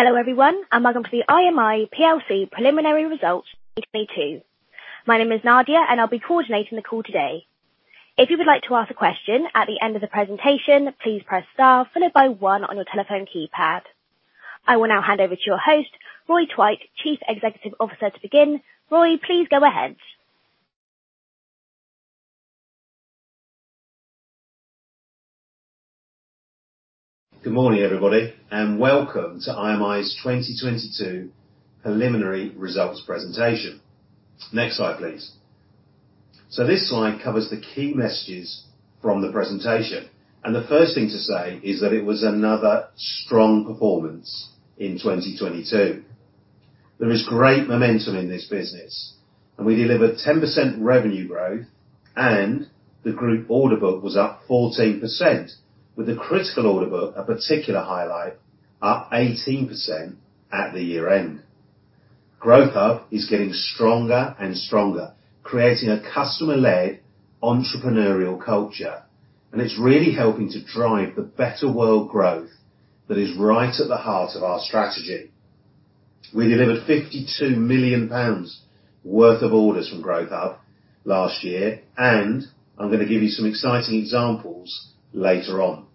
Hello, everyone, and welcome to the IMI plc preliminary results 2022. My name is Nadia, and I'll be coordinating the call today. If you would like to ask a question at the end of the presentation, please press Star followed by one on your telephone keypad. I will now hand over to your host, Roy Twite, Chief Executive Officer, to begin. Roy, please go ahead. Good morning, everybody, welcome to IMI's 2022 preliminary results presentation. Next slide, please. This slide covers the key messages from the presentation. The first thing to say is that it was another strong performance in 2022. There is great momentum in this business. We delivered 10% revenue growth and the group order book was up 14%, with the critical order book a particular highlight, up 18% at the year-end. Growth Hub is getting stronger and stronger, creating a customer-led entrepreneurial culture. It's really helping to drive the Better World Growth that is right at the heart of our strategy. We delivered 52 million pounds worth of orders from Growth Hub last year. I'm gonna give you some exciting examples later on.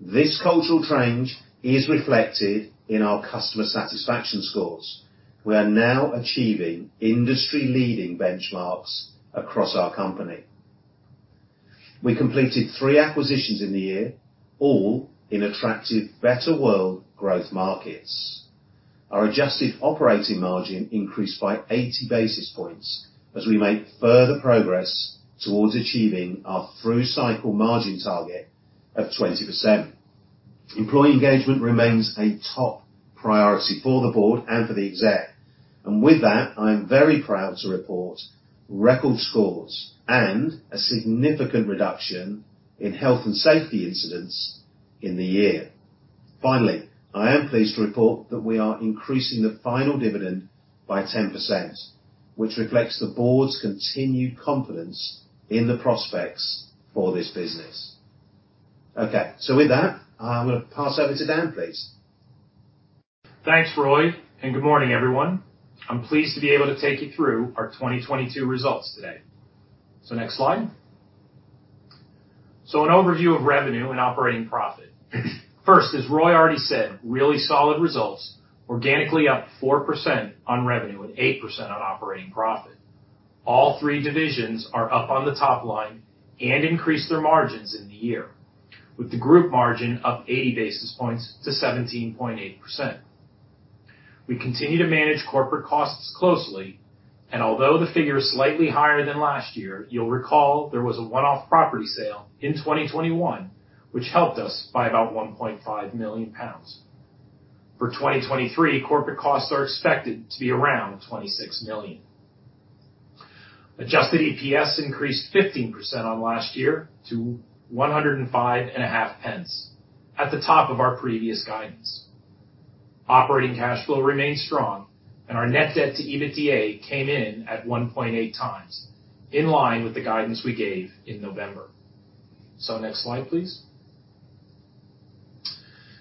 This cultural change is reflected in our customer satisfaction scores. We are now achieving industry-leading benchmarks across our company. We completed 3 acquisitions in the year, all in attractive Better World Growth markets. Our adjusted operating margin increased by 80 basis points as we make further progress towards achieving our through cycle margin target of 20%. With that, I am very proud to report record scores and a significant reduction in health and safety incidents in the year. Finally, I am pleased to report that we are increasing the final dividend by 10%, which reflects the board's continued confidence in the prospects for this business. Okay. With that, I'm gonna pass over to Dan, please. Thanks, Roy. Good morning, everyone. I'm pleased to be able to take you through our 2022 results today. Next slide. An overview of revenue and operating profit. First, as Roy already said, really solid results, organically up 4% on revenue and 8% on operating profit. All three divisions are up on the top line and increased their margins in the year, with the group margin up 80 basis points to 17.8%. We continue to manage corporate costs closely, and although the figure is slightly higher than last year, you'll recall there was a one-off property sale in 2021 which helped us by about 1.5 million pounds. For 2023, corporate costs are expected to be around 26 million. Adjusted EPS increased 15% on last year to 1.055 at the top of our previous guidance. Operating cash flow remained strong and our net debt to EBITDA came in at 1.8 times, in line with the guidance we gave in November. Next slide, please.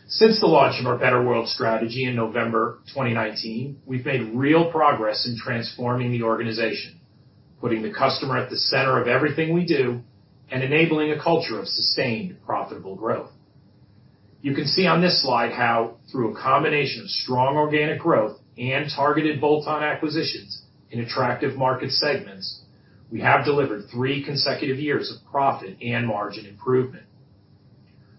Since the launch of our Better World strategy in November 2019, we've made real progress in transforming the organization, putting the customer at the center of everything we do and enabling a culture of sustained profitable growth. You can see on this slide how through a combination of strong organic growth and targeted bolt-on acquisitions in attractive market segments, we have delivered 3 consecutive years of profit and margin improvement.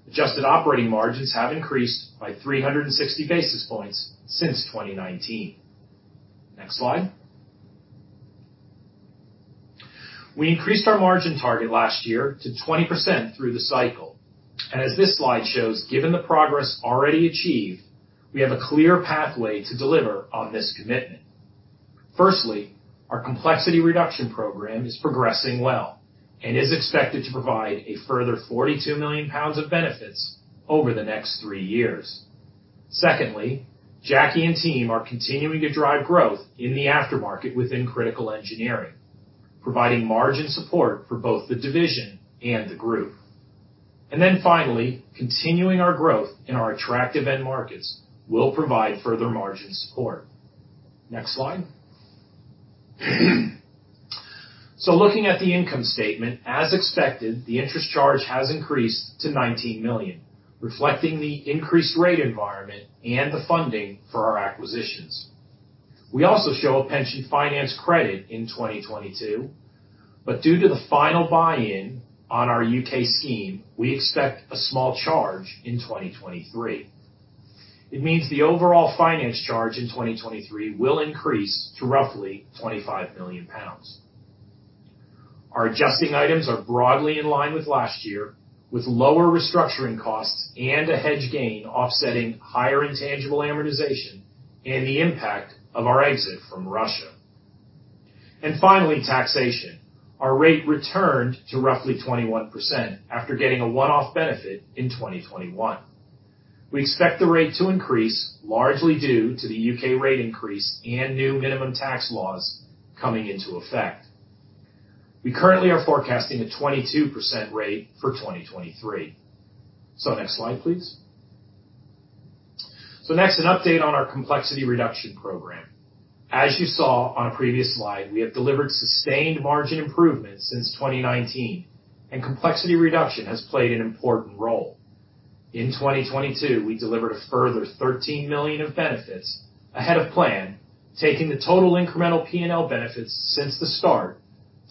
Adjusted operating margins have increased by 360 basis points since 2019. Next slide. We increased our margin target last year to 20% through the cycle. As this slide shows, given the progress already achieved, we have a clear pathway to deliver on this commitment. Firstly, our complexity reduction program is progressing well and is expected to provide a further 42 million pounds of benefits over the next three years. Secondly, Jackie and team are continuing to drive growth in the aftermarket within Critical Engineering, providing margin support for both the division and the group. Finally, continuing our growth in our attractive end markets will provide further margin support. Next slide. Looking at the income statement, as expected, the interest charge has increased to 19 million, reflecting the increased rate environment and the funding for our acquisitions. We also show a pension finance credit in 2022, due to the final buy-in on our U.K. scheme, we expect a small charge in 2023. It means the overall finance charge in 2023 will increase to roughly 25 million pounds. Our adjusting items are broadly in line with last year, with lower restructuring costs and a hedge gain offsetting higher intangible amortization and the impact of our exit from Russia. Finally, taxation. Our rate returned to roughly 21% after getting a one-off benefit in 2021. We expect the rate to increase largely due to the U.K. rate increase and new minimum tax laws coming into effect. We currently are forecasting a 22% rate for 2023. Next slide, please. Next, an update on our complexity reduction program. As you saw on a previous slide, we have delivered sustained margin improvements since 2019, complexity reduction has played an important role. In 2022, we delivered a further 13 million of benefits ahead of plan, taking the total incremental PNL benefits since the start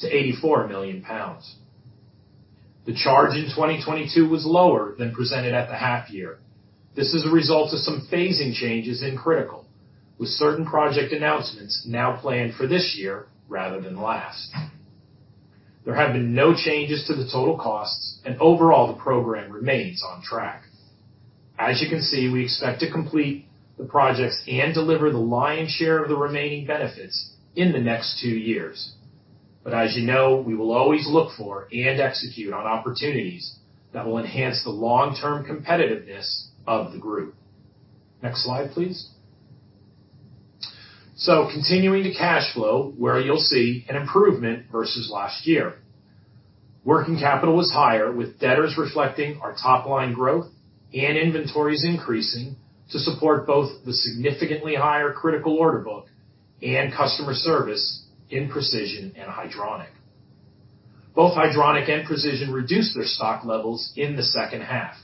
to 84 million pounds. The charge in 2022 was lower than presented at the half year. This is a result of some phasing changes in Critical, with certain project announcements now planned for this year rather than last. There have been no changes to the total costs and overall the program remains on track. As you can see, we expect to complete the projects and deliver the lion's share of the remaining benefits in the next two years. As you know, we will always look for and execute on opportunities that will enhance the long-term competitiveness of the group. Next slide, please. Continuing to cash flow, where you'll see an improvement versus last year. Working capital was higher, with debtors reflecting our top line growth and inventories increasing to support both the significantly higher Critical order book and customer service in Precision and Hydronic. Both Hydronic and Precision reduced their stock levels in the second half.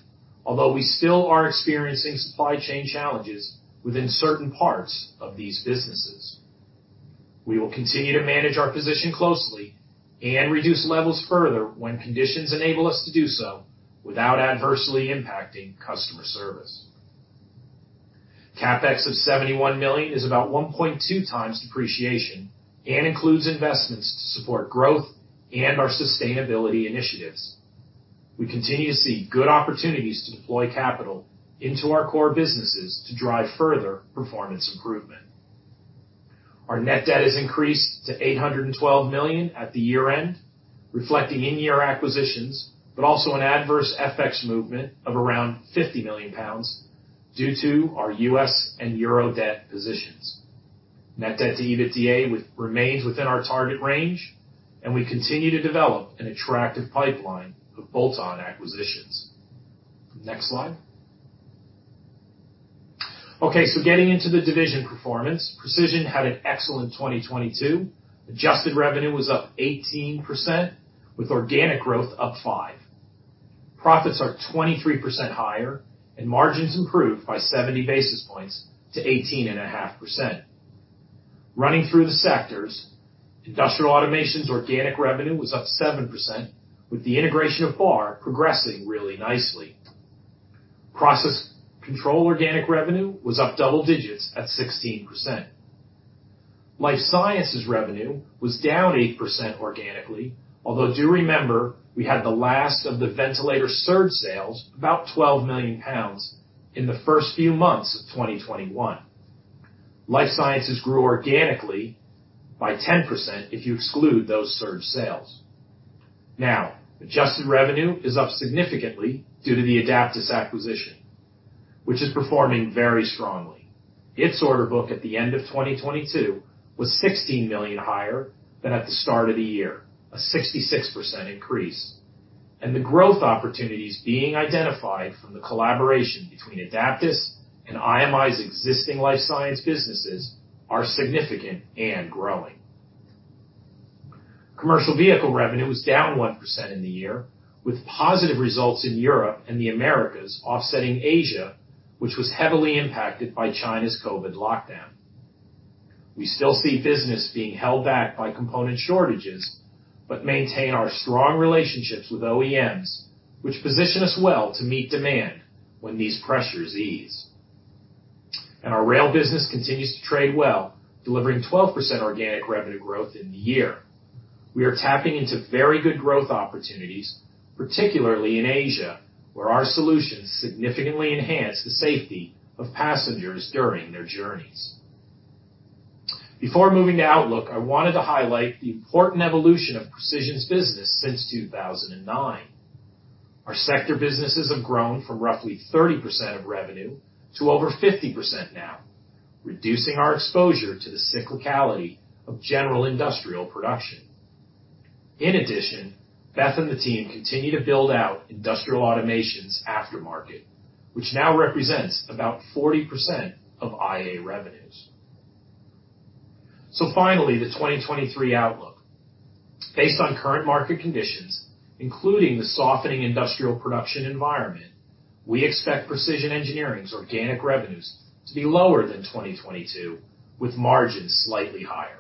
Although we still are experiencing supply chain challenges within certain parts of these businesses. We will continue to manage our position closely and reduce levels further when conditions enable us to do so without adversely impacting customer service. CapEx of 71 million is about 1.2 times depreciation and includes investments to support growth and our sustainability initiatives. We continue to see good opportunities to deploy capital into our core businesses to drive further performance improvement. Our net debt has increased to 812 million at the year-end, reflecting in-year acquisitions, but also an adverse FX movement of around 50 million pounds due to our U.S. and EUR debt positions. Net debt to EBITDA remains within our target range, and we continue to develop an attractive pipeline of bolt-on acquisitions. Next slide. Getting into the division performance. Precision had an excellent 2022. Adjusted revenue was up 18% with organic growth up 5%. Profits are 23% higher and margins improved by 70 basis points to 18.5%. Running through the sectors, Industrial Automation's organic revenue was up 7% with the integration of Bahr progressing really nicely. Process Control organic revenue was up double digits at 16%. Life sciences revenue was down 8% organically, although do remember we had the last of the ventilator surge sales, about 12 million pounds, in the first few months of 2021. Life sciences grew organically by 10% if you exclude those surge sales. Now, adjusted revenue is up significantly due to the Adaptas acquisition, which is performing very strongly. Its order book at the end of 2022 was 16 million higher than at the start of the year, a 66% increase. The growth opportunities being identified from the collaboration between Adaptas and IMI's existing life science businesses are significant and growing. Commercial vehicle revenue was down 1% in the year, with positive results in Europe and the Americas offsetting Asia, which was heavily impacted by China's COVID lockdown. We still see business being held back by component shortages, but maintain our strong relationships with OEMs, which position us well to meet demand when these pressures ease. Our rail business continues to trade well, delivering 12% organic revenue growth in the year. We are tapping into very good growth opportunities, particularly in Asia, where our solutions significantly enhance the safety of passengers during their journeys. Before moving to outlook, I wanted to highlight the important evolution of Precision's business since 2009. Our sector businesses have grown from roughly 30% of revenue to over 50% now, reducing our exposure to the cyclicality of general industrial production. In addition, Beth and the team continue to build out Industrial Automation's aftermarket, which now represents about 40% of IA revenues. Finally, the 2023 outlook. Based on current market conditions, including the softening industrial production environment, we expect Precision Engineering's organic revenues to be lower than 2022, with margins slightly higher.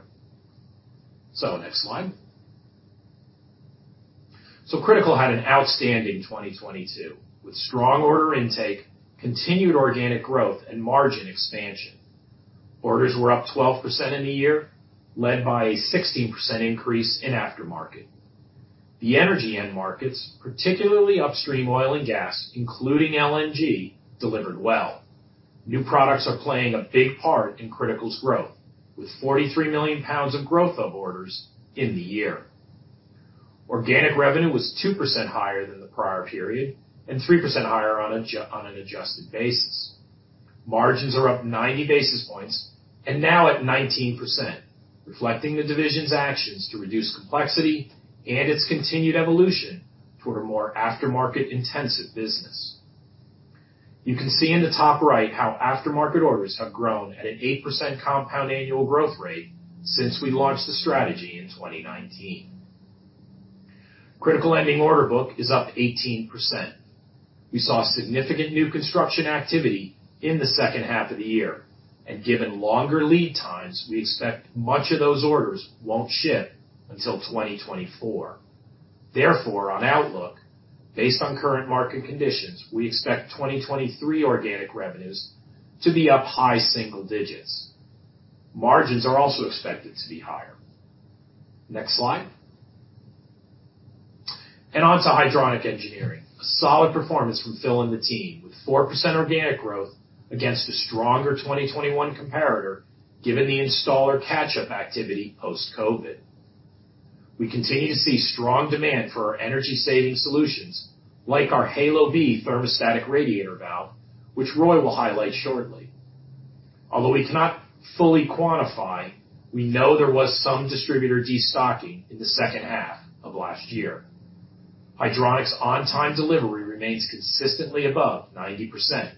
Next slide. Critical had an outstanding 2022, with strong order intake, continued organic growth, and margin expansion. Orders were up 12% in the year, led by a 16% increase in aftermarket. The energy end markets, particularly upstream oil and gas, including LNG, delivered well. New products are playing a big part in Critical's growth, with 43 million pounds of growth of orders in the year. Organic revenue was 2% higher than the prior period and 3% higher on an adjusted basis. Margins are up 90 basis points and now at 19%, reflecting the division's actions to reduce complexity and its continued evolution to a more aftermarket-intensive business. You can see in the top right how aftermarket orders have grown at an 8% CAGR since we launched the strategy in 2019. Critical Engineering order book is up 18%. We saw significant new construction activity in the second half of the year. Given longer lead times, we expect much of those orders won't ship until 2024. Therefore, on outlook, based on current market conditions, we expect 2023 organic revenues to be up high single digits. Margins are also expected to be higher. Next slide. On to Hydronic Engineering. A solid performance from Phil and the team, with 4% organic growth against a stronger 2021 comparator, given the installer catch-up activity post-COVID. We continue to see strong demand for our energy saving solutions, like our Halo-V thermostatic radiator valve, which Roy will highlight shortly. Although we cannot fully quantify, we know there was some distributor destocking in the second half of last year. Hydronic's on-time delivery remains consistently above 90%,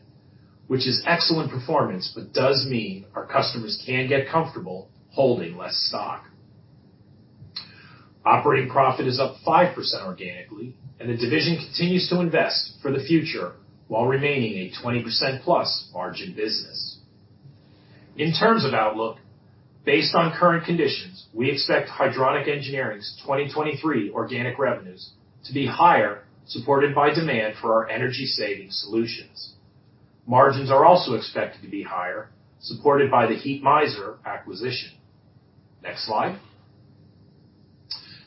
which is excellent performance, does mean our customers can get comfortable holding less stock. Operating profit is up 5% organically, The division continues to invest for the future while remaining a 20%+ margin business. In terms of outlook, based on current conditions, we expect Hydronic Engineering's 2023 organic revenues to be higher, supported by demand for our energy saving solutions. Margins are also expected to be higher, supported by the Heatmiser acquisition. Next slide.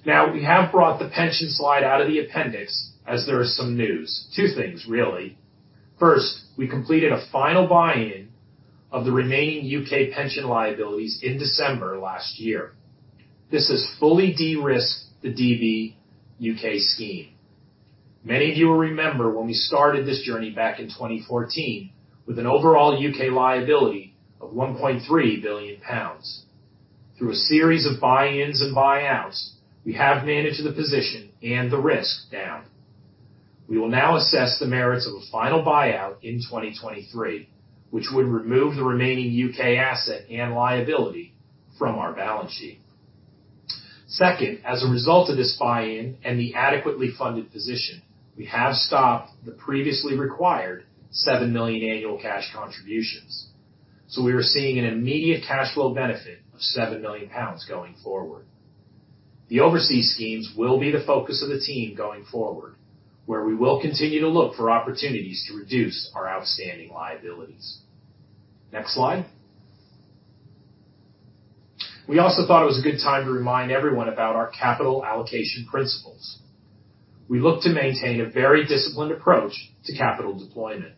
We have brought the pension slide out of the appendix as there is some news. Two things, really. First, we completed a final buy-in of the remaining UK pension liabilities in December last year. This has fully de-risked the DB UK scheme. Many of you will remember when we started this journey back in 2014 with an overall UK liability of 1.3 billion pounds. Through a series of buy-ins and buy-outs, we have managed the position and the risk down. We will now assess the merits of a final buyout in 2023, which would remove the remaining UK asset and liability from our balance sheet. Second, as a result of this buy-in and the adequately funded position, we have stopped the previously required 7 million annual cash contributions. We are seeing an immediate cash flow benefit of 7 million pounds going forward. The overseas schemes will be the focus of the team going forward, where we will continue to look for opportunities to reduce our outstanding liabilities. Next slide. We also thought it was a good time to remind everyone about our capital allocation principles. We look to maintain a very disciplined approach to capital deployment.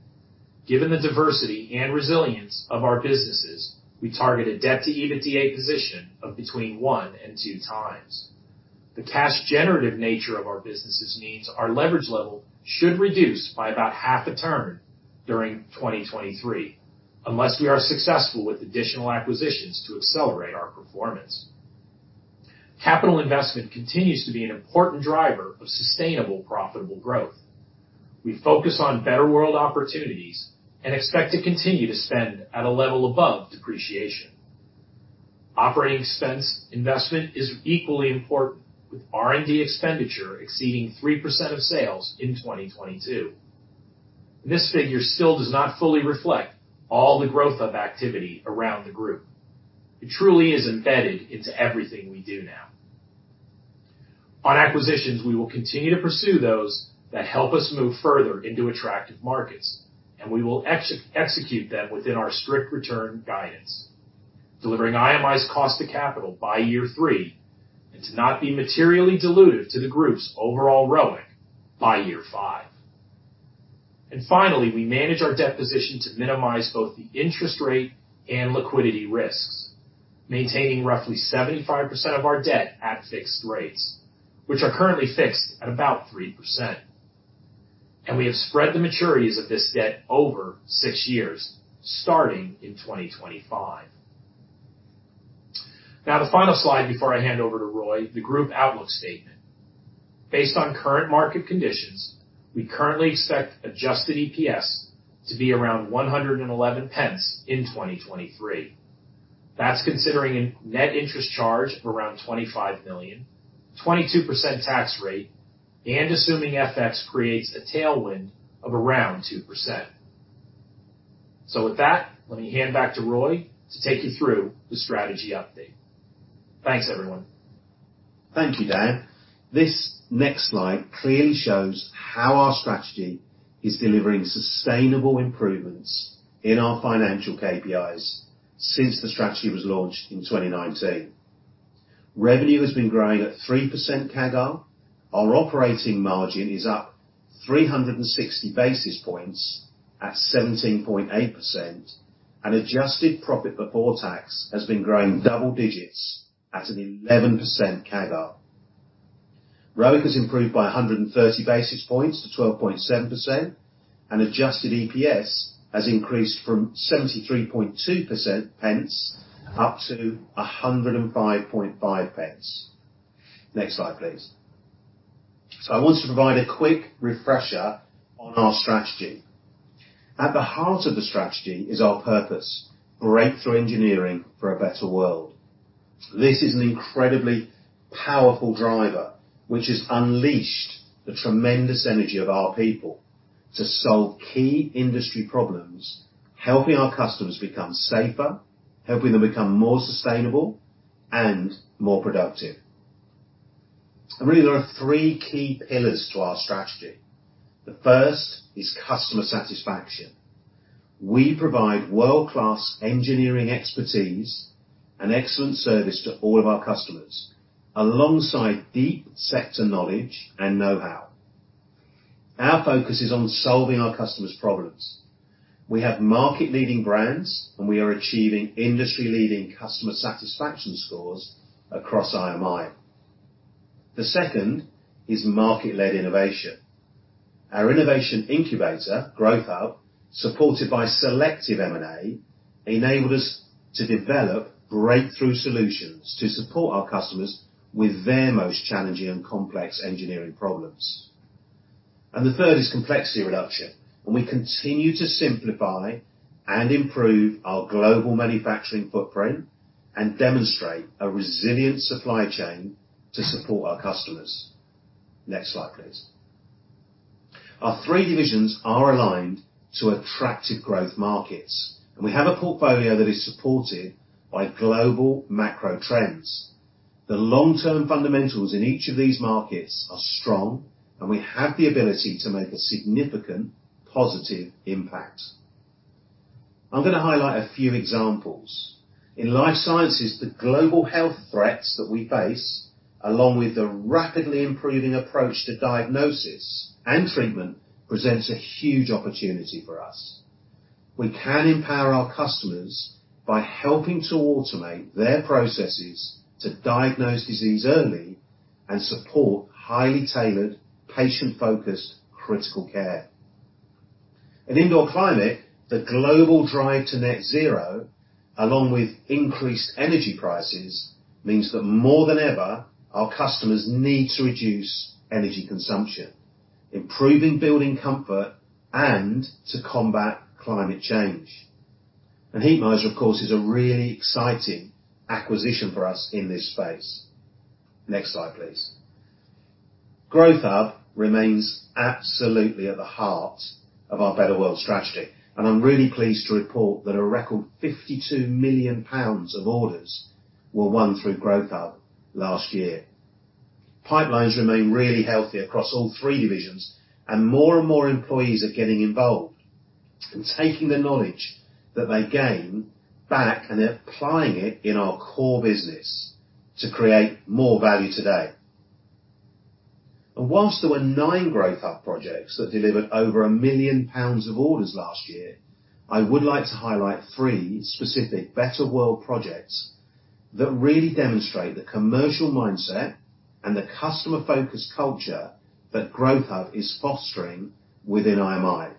Given the diversity and resilience of our businesses, we target a debt-to-EBITDA position of between one and two times. The cash generative nature of our businesses means our leverage level should reduce by about half a turn during 2023, unless we are successful with additional acquisitions to accelerate our performance. Capital investment continues to be an important driver of sustainable, profitable growth. We focus on Better World opportunities and expect to continue to spend at a level above depreciation. Operating expense investment is equally important, with R&D expenditure exceeding 3% of sales in 2022. This figure still does not fully reflect all the growth of activity around the group. It truly is embedded into everything we do now. On acquisitions, we will continue to pursue those that help us move further into attractive markets, we will execute them within our strict return guidance. Delivering IMI's cost of capital by year 3 and to not be materially dilutive to the group's overall ROIC by year 5. Finally, we manage our debt position to minimize both the interest rate and liquidity risks, maintaining roughly 75% of our debt at fixed rates, which are currently fixed at about 3%. We have spread the maturities of this debt over 6 years, starting in 2025. The final slide before I hand over to Roy, the group outlook statement. Based on current market conditions, we currently expect adjusted EPS to be around 111 pence in 2023. That's considering a net interest charge of around 25 million, 22% tax rate, and assuming FX creates a tailwind of around 2%. With that, let me hand back to Roy to take you through the strategy update. Thanks, everyone. Thank you, Dan. This next slide clearly shows how our strategy is delivering sustainable improvements in our financial KPIs since the strategy was launched in 2019. Revenue has been growing at 3% CAGR. Our operating margin is up 360 basis points at 17.8%. Adjusted profit before tax has been growing double digits at an 11% CAGR. ROIC has improved by 130 basis points to 12.7%, and adjusted EPS has increased from GBP 0.732 up to 1.055. Next slide, please. I want to provide a quick refresher on our strategy. At the heart of the strategy is our purpose, breakthrough engineering for a Better World. This is an incredibly powerful driver, which has unleashed the tremendous energy of our people to solve key industry problems, helping our customers become safer, helping them become more sustainable and more productive. Really, there are three key pillars to our strategy. The first is customer satisfaction. We provide world-class engineering expertise and excellent service to all of our customers, alongside deep sector knowledge and know-how. Our focus is on solving our customers' problems. We have market-leading brands, and we are achieving industry-leading customer satisfaction scores across IMI. The second is market-led innovation. Our innovation incubator, Growth Hub, supported by selective M&A, enabled us to develop breakthrough solutions to support our customers with their most challenging and complex engineering problems. The third is complexity reduction, and we continue to simplify and improve our global manufacturing footprint and demonstrate a resilient supply chain to support our customers. Next slide, please. Our three divisions are aligned to attractive growth markets. We have a portfolio that is supported by global macro trends. The long-term fundamentals in each of these markets are strong. We have the ability to make a significant positive impact. I'm gonna highlight a few examples. In life sciences, the global health threats that we face, along with the rapidly improving approach to diagnosis and treatment, presents a huge opportunity for us. We can empower our customers by helping to automate their processes to diagnose disease early and support highly tailored, patient-focused critical care. In indoor climate, the global drive to net zero, along with increased energy prices, means that more than ever, our customers need to reduce energy consumption, improving building comfort, and to combat climate change. Heatmiser, of course, is a really exciting acquisition for us in this space. Next slide, please. Growth Hub remains absolutely at the heart of our Better World strategy. I'm really pleased to report that a record 52 million pounds of orders were won through Growth Hub last year. Pipelines remain really healthy across all three divisions. More and more employees are getting involved and taking the knowledge that they gain back and applying it in our core business to create more value today. Whilst there were nine Growth Hub projects that delivered over 1 million pounds of orders last year, I would like to highlight three specific Better World projects that really demonstrate the commercial mindset and the customer-focused culture that Growth Hub is fostering within IMI.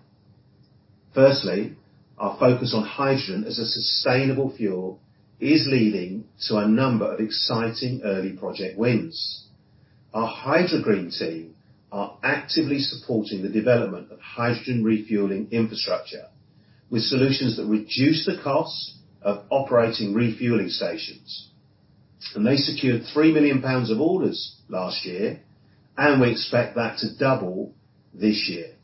Firstly, our focus on hydrogen as a sustainable fuel is leading to a number of exciting early project wins. Our Hydrogreen team are actively supporting the development of hydrogen refueling infrastructure with solutions that reduce the costs of operating refueling stations. They secured 3 million pounds of orders last year, and we expect that to double this year.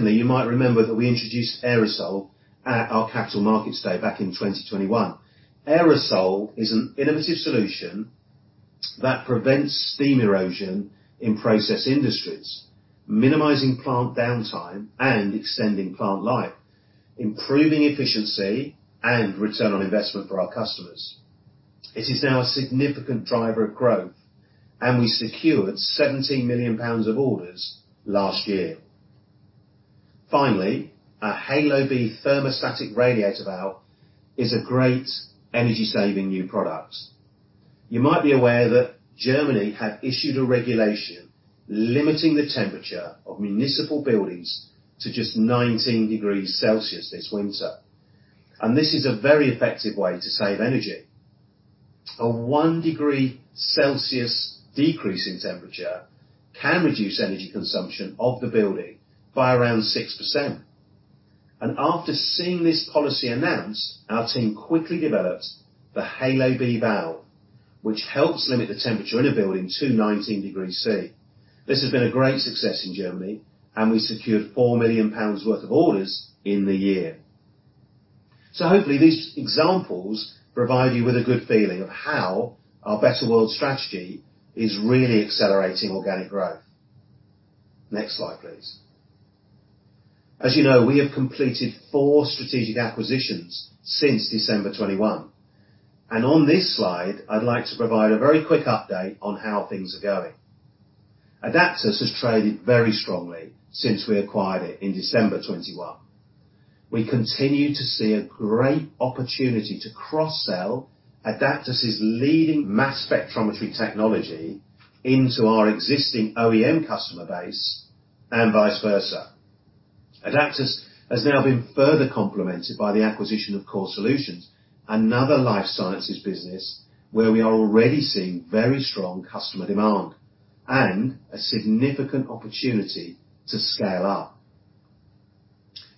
You might remember that we introduced Aerosol at our Capital Markets Day back in 2021. Aerosol is an innovative solution that prevents steam erosion in process industries, minimizing plant downtime and extending plant life, improving efficiency and return on investment for our customers. It is now a significant driver of growth, we secured 17 million pounds of orders last year. Our Halo-B thermostatic radiator valve is a great energy-saving new product. You might be aware that Germany had issued a regulation limiting the temperature of municipal buildings to just 19 degrees Celsius this winter, this is a very effective way to save energy. A one-degree Celsius decrease in temperature can reduce energy consumption of the building by around 6%. After seeing this policy announced, our team quickly developed the Halo-B valve, which helps limit the temperature in a building to 19 degrees Celsius. This has been a great success in Germany, we secured 4 million pounds worth of orders in the year. Hopefully these examples provide you with a good feeling of how our Better World strategy is really accelerating organic growth. Next slide, please. As you know, we have completed 4 strategic acquisitions since December 2021. On this slide, I'd like to provide a very quick update on how things are goingAdaptas has traded very strongly since we acquired it in December 2021. We continue to see a great opportunity to cross-sell Adaptas' leading mass spectrometry technology into our existing OEM customer base and vice versa. Adaptas has now been further complemented by the acquisition of Core Solutions, another life sciences business where we are already seeing very strong customer demand and a significant opportunity to scale up.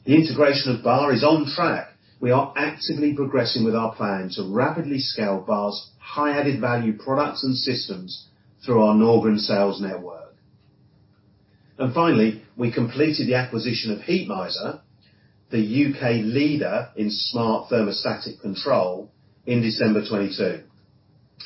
The integration of Bahr is on track. We are actively progressing with our plan to rapidly scale Bahr's high added-value products and systems through our Norgren sales network. Finally, we completed the acquisition of Heatmiser, the U.K. leader in smart thermostatic control, in December 2022.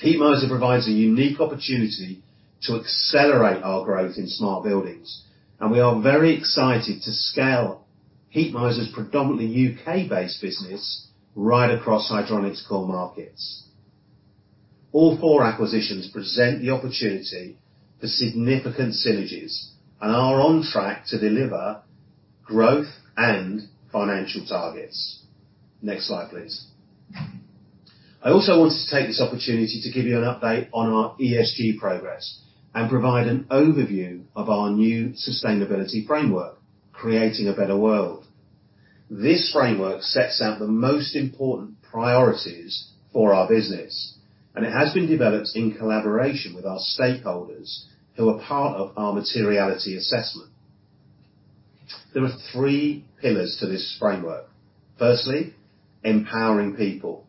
Heatmiser provides a unique opportunity to accelerate our growth in smart buildings, and we are very excited to scale Heatmiser's predominantly U.K.-based business right across Hydronic's core markets. All four acquisitions present the opportunity for significant synergies and are on track to deliver growth and financial targets. Next slide, please. I also wanted to take this opportunity to give you an update on our ESG progress and provide an overview of our new sustainability framework, Creating a Better World. This framework sets out the most important priorities for our business, and it has been developed in collaboration with our stakeholders who are part of our materiality assessment. There are three pillars to this framework. Firstly, empowering people.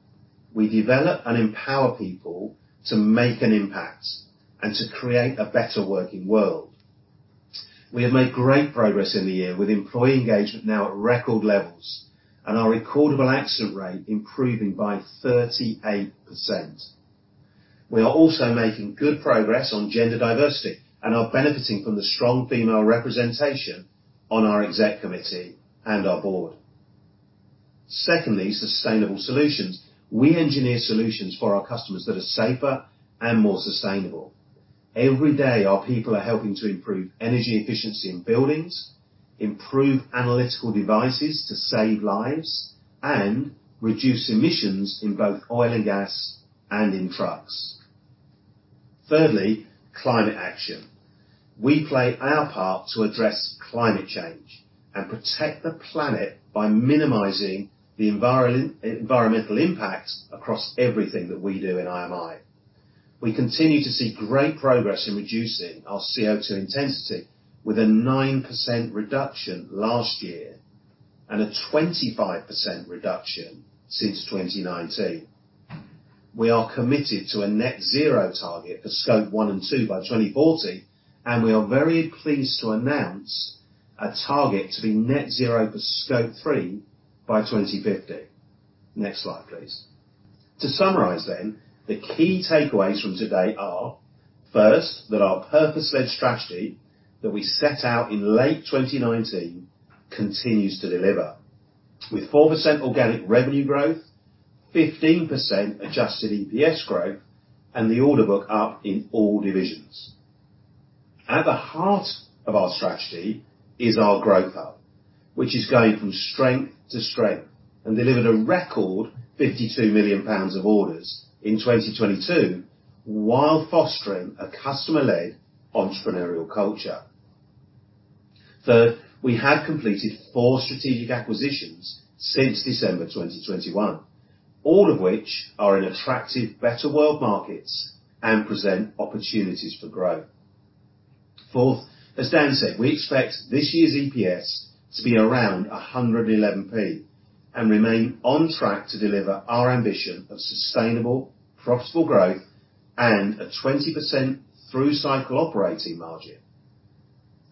We develop and empower people to make an impact and to create a better working world. We have made great progress in the year, with employee engagement now at record levels and our recordable accident rate improving by 38%. We are also making good progress on gender diversity and are benefiting from the strong female representation on our exec committee and our board. Secondly, sustainable solutions. We engineer solutions for our customers that are safer and more sustainable. Every day, our people are helping to improve energy efficiency in buildings, improve analytical devices to save lives, and reduce emissions in both oil and gas and in trucks. Thirdly, climate action. We play our part to address climate change and protect the planet by minimizing the environmental impact across everything that we do in IMI. We continue to see great progress in reducing our CO2 intensity with a 9% reduction last year and a 25% reduction since 2019. We are committed to a net zero target for Scope 1 and 2 by 2040, and we are very pleased to announce a target to be net zero for Scope 3 by 2050. Next slide, please. To summarize, the key takeaways from today are, first, that our purpose-led strategy that we set out in late 2019 continues to deliver with 4% organic revenue growth, 15% adjusted EPS growth, and the order book up in all divisions. At the heart of our strategy is our Growth Hub, which is going from strength to strength and delivered a record 52 million pounds of orders in 2022 while fostering a customer-led entrepreneurial culture. Third, we have completed 4 strategic acquisitions since December 2021, all of which are in attractive Better World markets and present opportunities for growth. Fourth, as Dan said, we expect this year's EPS to be around 111p and remain on track to deliver our ambition of sustainable, profitable growth and a 20% through-cycle operating margin.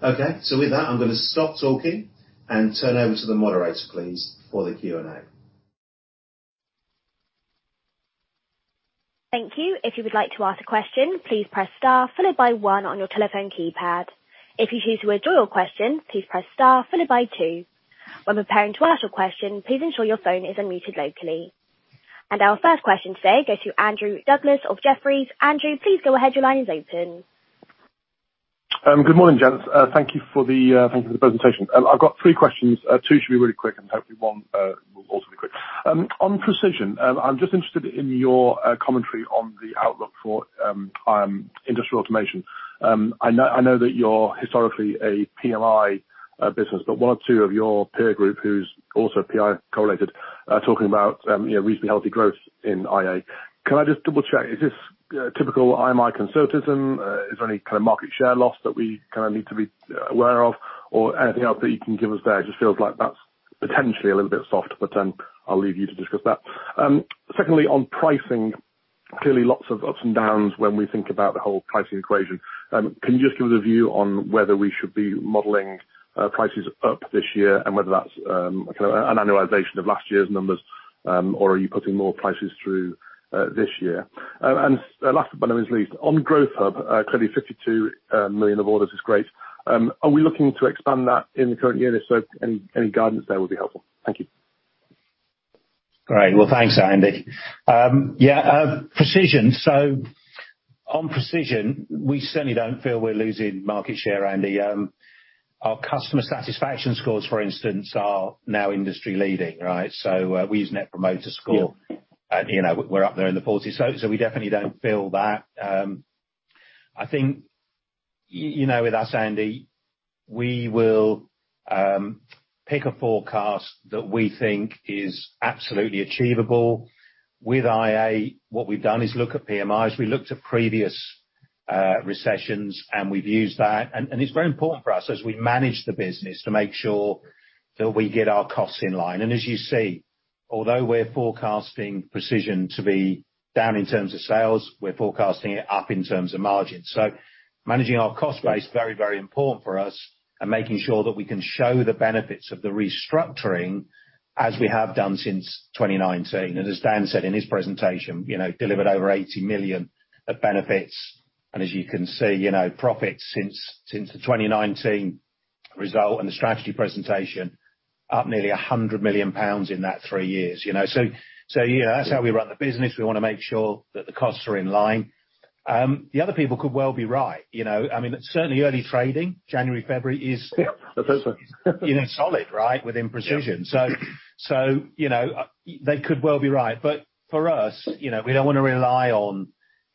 Okay. With that, I'm gonna stop talking and turn over to the moderator, please, for the Q&A. Thank you. If you would like to ask a question, please press star followed by one on your telephone keypad. If you choose to withdraw your question, please press star followed by two. When preparing to ask your question, please ensure your phone is unmuted locally. Our first question today goes to Andrew Douglas of Jefferies. Andrew, please go ahead. Your line is open. Good morning, gents. Thank you for the presentation. I've got 3 questions. 2 should be really quick, and hopefully 1 will also be quick. On Precision, I'm just interested in your commentary on the outlook for Industrial Automation. I know that you're historically a PLI business, but 1 or 2 of your peer group who's also PI correlated are talking about, you know, reasonably healthy growth in IA. Can I just double-check, is this typical IMI conservatism? Is there any kind of market share loss that we kinda need to be aware of? Anything else that you can give us there? Just feels like that's potentially a little bit soft, but I'll leave you to discuss that. Secondly, on pricing, clearly lots of ups and downs when we think about the whole pricing equation. Can you just give a view on whether we should be modeling prices up this year and whether that's kinda an annualization of last year's numbers, or are you putting more prices through this year? Last but not least, on Growth Hub, clearly 52 million of orders is great. Are we looking to expand that in the current year? If so, any guidance there would be helpful. Thank you. Great. Well, thanks, Andy. Precision. On Precision, we certainly don't feel we're losing market share, Andy. Our customer satisfaction scores, for instance, are now industry-leading, right? We use Net Promoter Score. Yeah. You know, we're up there in the 40s, so we definitely don't feel that. I think, you know, with us, Andy, we will pick a forecast that we think is absolutely achievable. With IA, what we've done is look at PMIs, we looked at previous recessions, and we've used that. It's very important for us as we manage the business to make sure that we get our costs in line. As you see, although we're forecasting Precision to be down in terms of sales, we're forecasting it up in terms of margins. Managing our cost base, very, very important for us and making sure that we can show the benefits of the restructuring as we have done since 2019. As Dan said in his presentation, you know, delivered over 80 million of benefits. As you can see, you know, profits since the 2019 result and the strategy presentation, up nearly 100 million pounds in that three years, you know? Yeah, that's how we run the business. We wanna make sure that the costs are in line. The other people could well be right, you know? I mean, certainly early trading, January, February is. Yeah. You know, solid, right? Within Precision. Yeah. You know, they could well be right. For us, you know, we don't wanna rely on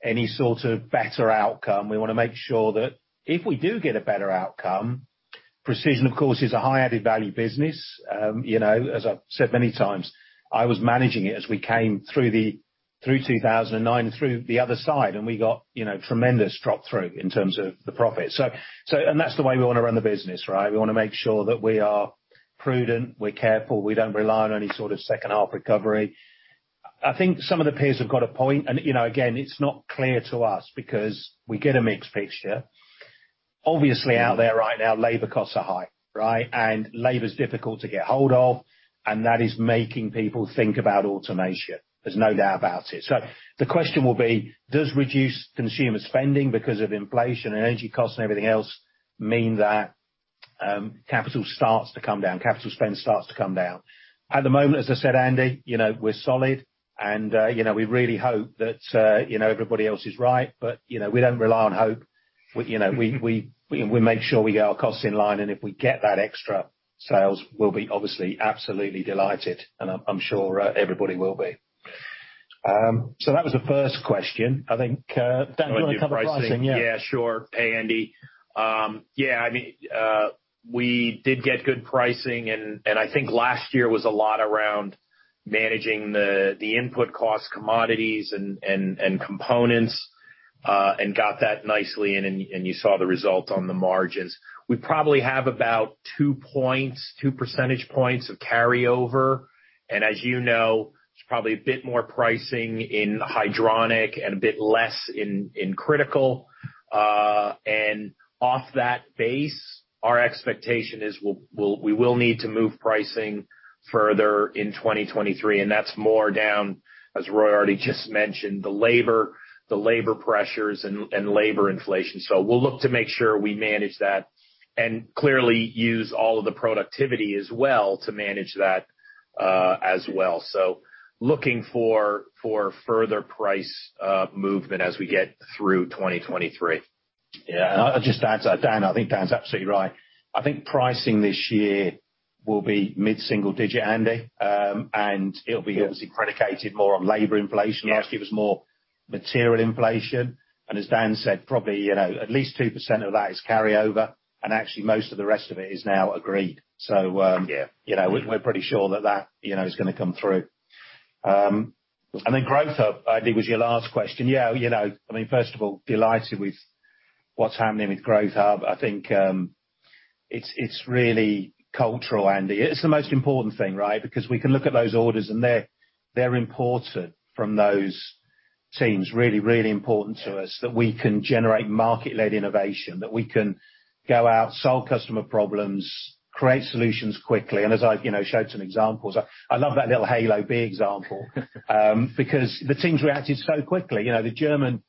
any sort of better outcome. We wanna make sure that if we do get a better outcome, Precision, of course, is a high added value business. You know, as I've said many times, I was managing it as we came through 2009 and through the other side, and we got, you know, tremendous drop-through in terms of the profit. And that's the way we wanna run the business, right? We wanna make sure that we are prudent, we're careful, we don't rely on any sort of second-half recovery. I think some of the peers have got a point and, you know, again, it's not clear to us because we get a mixed picture. Obviously out there right now, labor costs are high, right? Labor is difficult to get hold of, and that is making people think about automation. There's no doubt about it. The question will be, does reduced consumer spending because of inflation and energy costs and everything else mean that capital starts to come down, capital spend starts to come down? At the moment, as I said, Andy, you know, we're solid and, you know, we really hope that, you know, everybody else is right, but, you know, we don't rely on hope. We, you know, we, we make sure we get our costs in line, and if we get that extra sales, we'll be obviously absolutely delighted, and I'm sure everybody will be. That was the first question. I think, Dan, do you wanna cover pricing? Sure. Hey, Andy. We did get good pricing, and I think last year was a lot around managing the input costs, commodities and components, and got that nicely, and you saw the result on the margins. We probably have about 2 percentage points of carryover, and as you know, it's probably a bit more pricing in hydronic and a bit less in critical. Off that base, our expectation is we will need to move pricing further in 2023, and that's more down, as Roy Twite already just mentioned, the labor pressures and labor inflation. We'll look to make sure we manage that and clearly use all of the productivity as well to manage that as well. Looking for further price, movement as we get through 2023. Yeah. I'll just add to that. Dan, I think Dan's absolutely right. I think pricing this year will be mid-single digit, Andy, and it'll be obviously predicated more on labor inflation. Yeah. Last year it was more material inflation. As Dan said, probably, you know, at least 2% of that is carryover, and actually most of the rest of it is now agreed. Yeah you know, we're pretty sure that, you know, is gonna come through. Then Growth Hub, I think was your last question. Yeah, you know, I mean, first of all, delighted with what's happening with Growth Hub. I think it's really cultural, Andy. It's the most important thing, right? Because we can look at those orders and they're important from those teams, really important to us that we can generate market-led innovation, that we can go out, solve customer problems, create solutions quickly. As I've, you know, showed some examples. I love that little Halo-B example because the teams reacted so quickly. You know, the German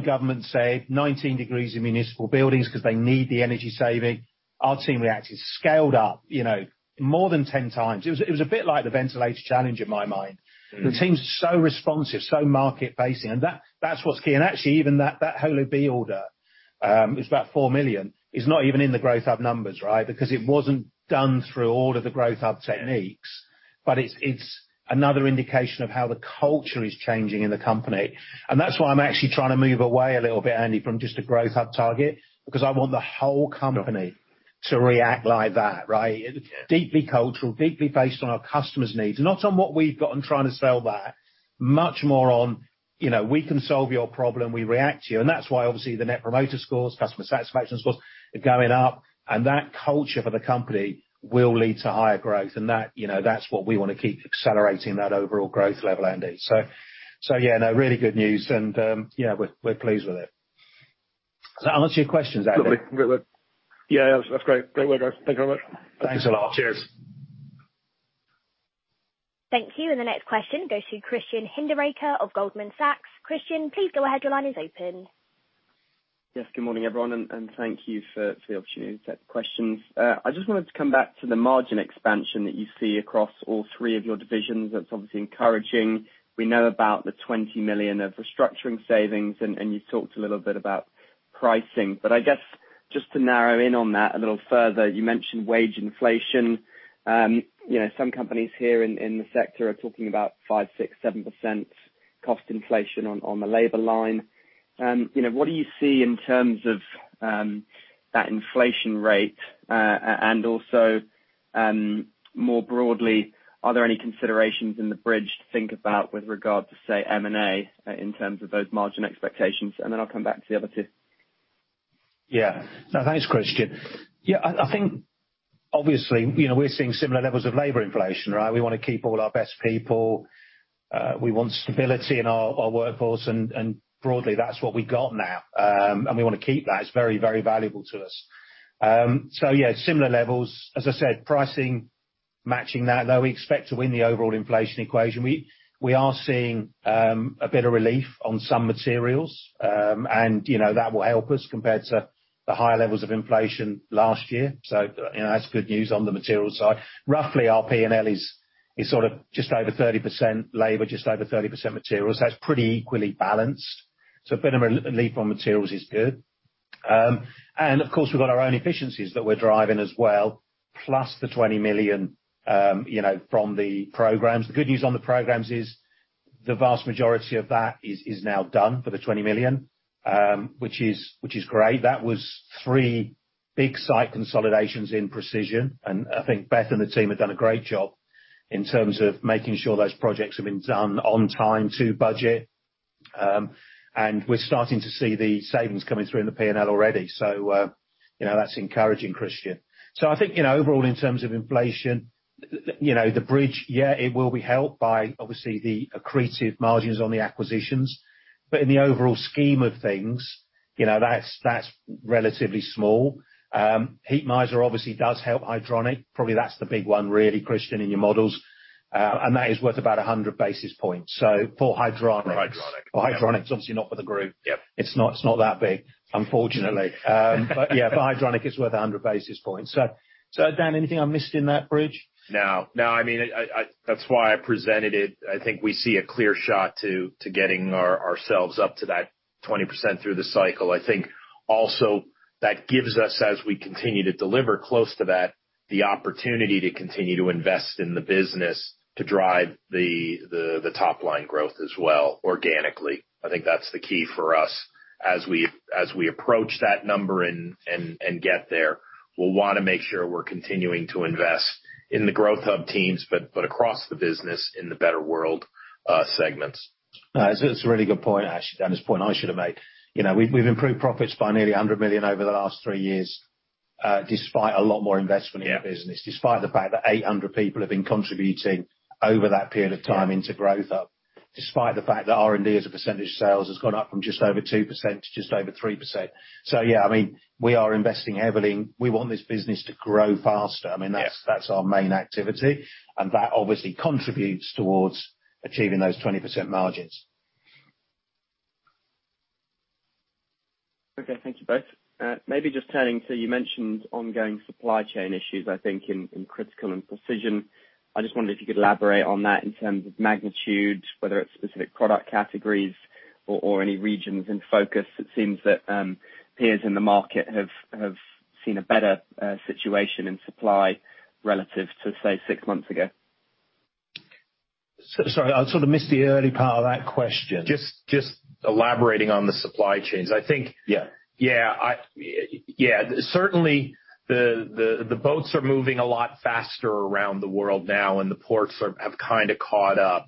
government said 19 degrees in municipal buildings because they need the energy saving. Our team reacted, scaled up, you know, more than 10 times. It was a bit like the ventilator challenge in my mind. Mm-hmm. The team's so responsive, so market-facing, that's what's key. Actually even that Halo-B order, it was about 4 million, is not even in the Growth Hub numbers, right? Because it wasn't done through all of the Growth Hub techniques, but it's another indication of how the culture is changing in the company. That's why I'm actually trying to move away a little bit, Andy, from just a Growth Hub target because I want the whole company to react like that, right? Deeply cultural, deeply based on our customer's needs. Not on what we've got and trying to sell that, much more on, you know, we can solve your problem, we react to you. That's why obviously the Net Promoter Scores, customer satisfaction scores are going up. That culture for the company will lead to higher growth. That, you know, that's what we wanna keep accelerating that overall growth level, Andy. so yeah, no, really good news and, yeah, we're pleased with it. Does that answer your questions, Andy? Lovely. Yeah. That's great. Great work. Thank you very much. Thanks a lot. Cheers. Thank you. The next question goes to Christian Hinderaker of Goldman Sachs. Christian, please go ahead. Your line is open. Yes. Good morning, everyone, and thank you for the opportunity to ask questions. I just wanted to come back to the margin expansion that you see across all three of your divisions. That's obviously encouraging. We know about the 20 million of restructuring savings, and you talked a little bit about pricing. I guess just to narrow in on that a little further, you mentioned wage inflation. You know, some companies here in the sector are talking about 5%, 6%, 7% cost inflation on the labor line. You know, what do you see in terms of that inflation rate? Also, more broadly, are there any considerations in the bridge to think about with regard to, say, M&A, in terms of those margin expectations? Then I'll come back to the other two. Yeah. No, thanks, Christian. I think obviously, you know, we're seeing similar levels of labor inflation, right? We wanna keep all our best people. We want stability in our workforce, and broadly, that's what we've got now. We wanna keep that. It's very, very valuable to us. Yeah, similar levels. As I said, pricing matching that, though we expect to win the overall inflation equation. We are seeing a bit of relief on some materials. You know, that will help us compared to the higher levels of inflation last year. You know, that's good news on the materials side. Roughly, our P&L is sort of just over 30% labor, just over 30% materials. That's pretty equally balanced. A bit of a relief on materials is good. Of course we've got our own efficiencies that we're driving as well, plus the 20 million, you know, from the programs. The good news on the programs is the vast majority of that is now done for the 20 million, which is great. That was three big site consolidations in Precision, and I think Beth and the team have done a great job in terms of making sure those projects have been done on time, to budget. We're starting to see the savings coming through in the P&L already. You know, that's encouraging, Christian. I think, you know, overall in terms of inflation, you know, the bridge, yeah, it will be helped by obviously the accretive margins on the acquisitions. In the overall scheme of things, you know, that's relatively small. Heatmiser obviously does help Hydronic. Probably that's the big one really, Christian, in your models. That is worth about 100 basis points for Hydronic. For Hydronic. For Hydronic. It's obviously not for the group. Yep. It's not, it's not that big, unfortunately. Yeah, for Hydronic, it's worth 100 basis points. Dan, anything I missed in that bridge? No, no. I mean, that's why I presented it. I think we see a clear shot to getting ourselves up to that 20% through the cycle. I think also that gives us, as we continue to deliver close to that, the opportunity to continue to invest in the business to drive the top line growth as well, organically. I think that's the key for us. As we approach that number and get there, we'll wanna make sure we're continuing to invest in the Growth Hub teams, but across the business in the Better World segments. It's a really good point, actually, Dan. It's a point I should have made. You know, we've improved profits by nearly 100 million over the last 3 years, despite a lot more investment. Yeah... in the business, despite the fact that 800 people have been contributing over that period of time into Growth Hub. Despite the fact that R&D as a percentage of sales has gone up from just over 2% to just over 3%. Yeah, I mean, we are investing heavily. We want this business to grow faster. Yes. I mean, that's our main activity, and that obviously contributes towards achieving those 20% margins. Thank you both. Maybe just turning to, you mentioned ongoing supply chain issues, I think in Critical and Precision. I just wondered if you could elaborate on that in terms of magnitude, whether it's specific product categories or any regions in focus. It seems that peers in the market have seen a better situation in supply relative to, say, six months ago. Sorry, I sort of missed the early part of that question. Just elaborating on the supply chains. Yeah. Certainly the boats are moving a lot faster around the world now, and the ports have kinda caught up.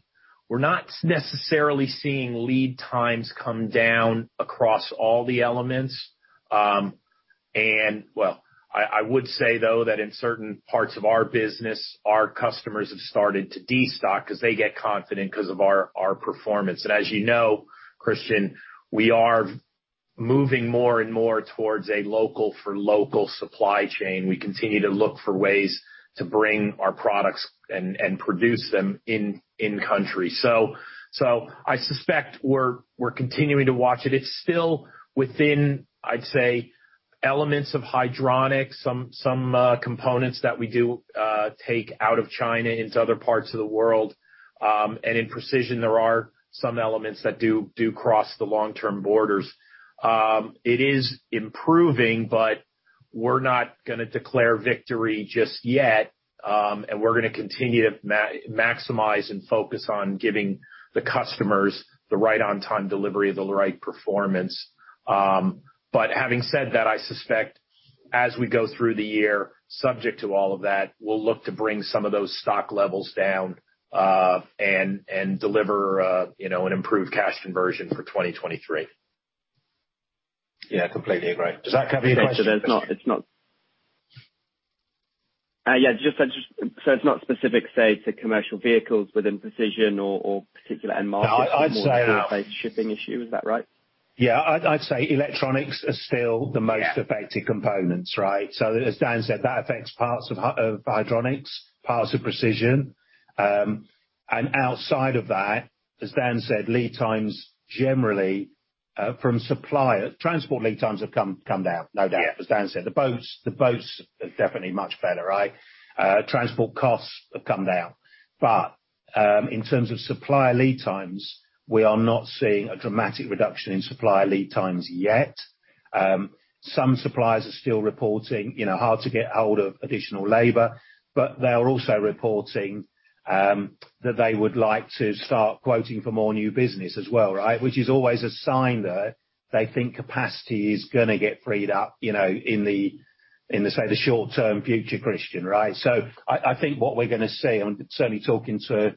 We're not necessarily seeing lead times come down across all the elements. Well, I would say, though, that in certain parts of our business, our customers have started to destock 'cause they get confident 'cause of our performance. As you know, Christian, we are moving more and more towards a local for local supply chain. We continue to look for ways to bring our products and produce them in country. I suspect we're continuing to watch it. It's still within, I'd say, elements of Hydronic, some components that we do take out of China into other parts of the world. In Precision, there are some elements that do cross the long-term borders. It is improving, but we're not gonna declare victory just yet. We're gonna continue to maximize and focus on giving the customers the right on-time delivery, the right performance. Having said that, I suspect as we go through the year, subject to all of that, we'll look to bring some of those stock levels down and deliver, you know, an improved cash conversion for 2023. Yeah, completely. Right. Does that cover your question? Yeah, it's not specific, say, to commercial vehicles within Precision or particular end markets... No, I'd say- ...more sort of a shipping issue, is that right? Yeah. I'd say electronics are still the most- Yeah... affected components, right? As Dan said, that affects parts of Hydronics, parts of Precision. Outside of that, as Dan said, Transport lead times have come down, no doubt. Yeah. As Dan said, the boats are definitely much better, right? Transport costs have come down. In terms of supplier lead times, we are not seeing a dramatic reduction in supplier lead times yet. Some suppliers are still reporting, you know, hard to get hold of additional labor, but they are also reporting that they would like to start quoting for more new business as well, right? Which is always a sign that they think capacity is gonna get freed up, you know, in the short-term future, Christian, right? I think what we're gonna see, I'm certainly talking to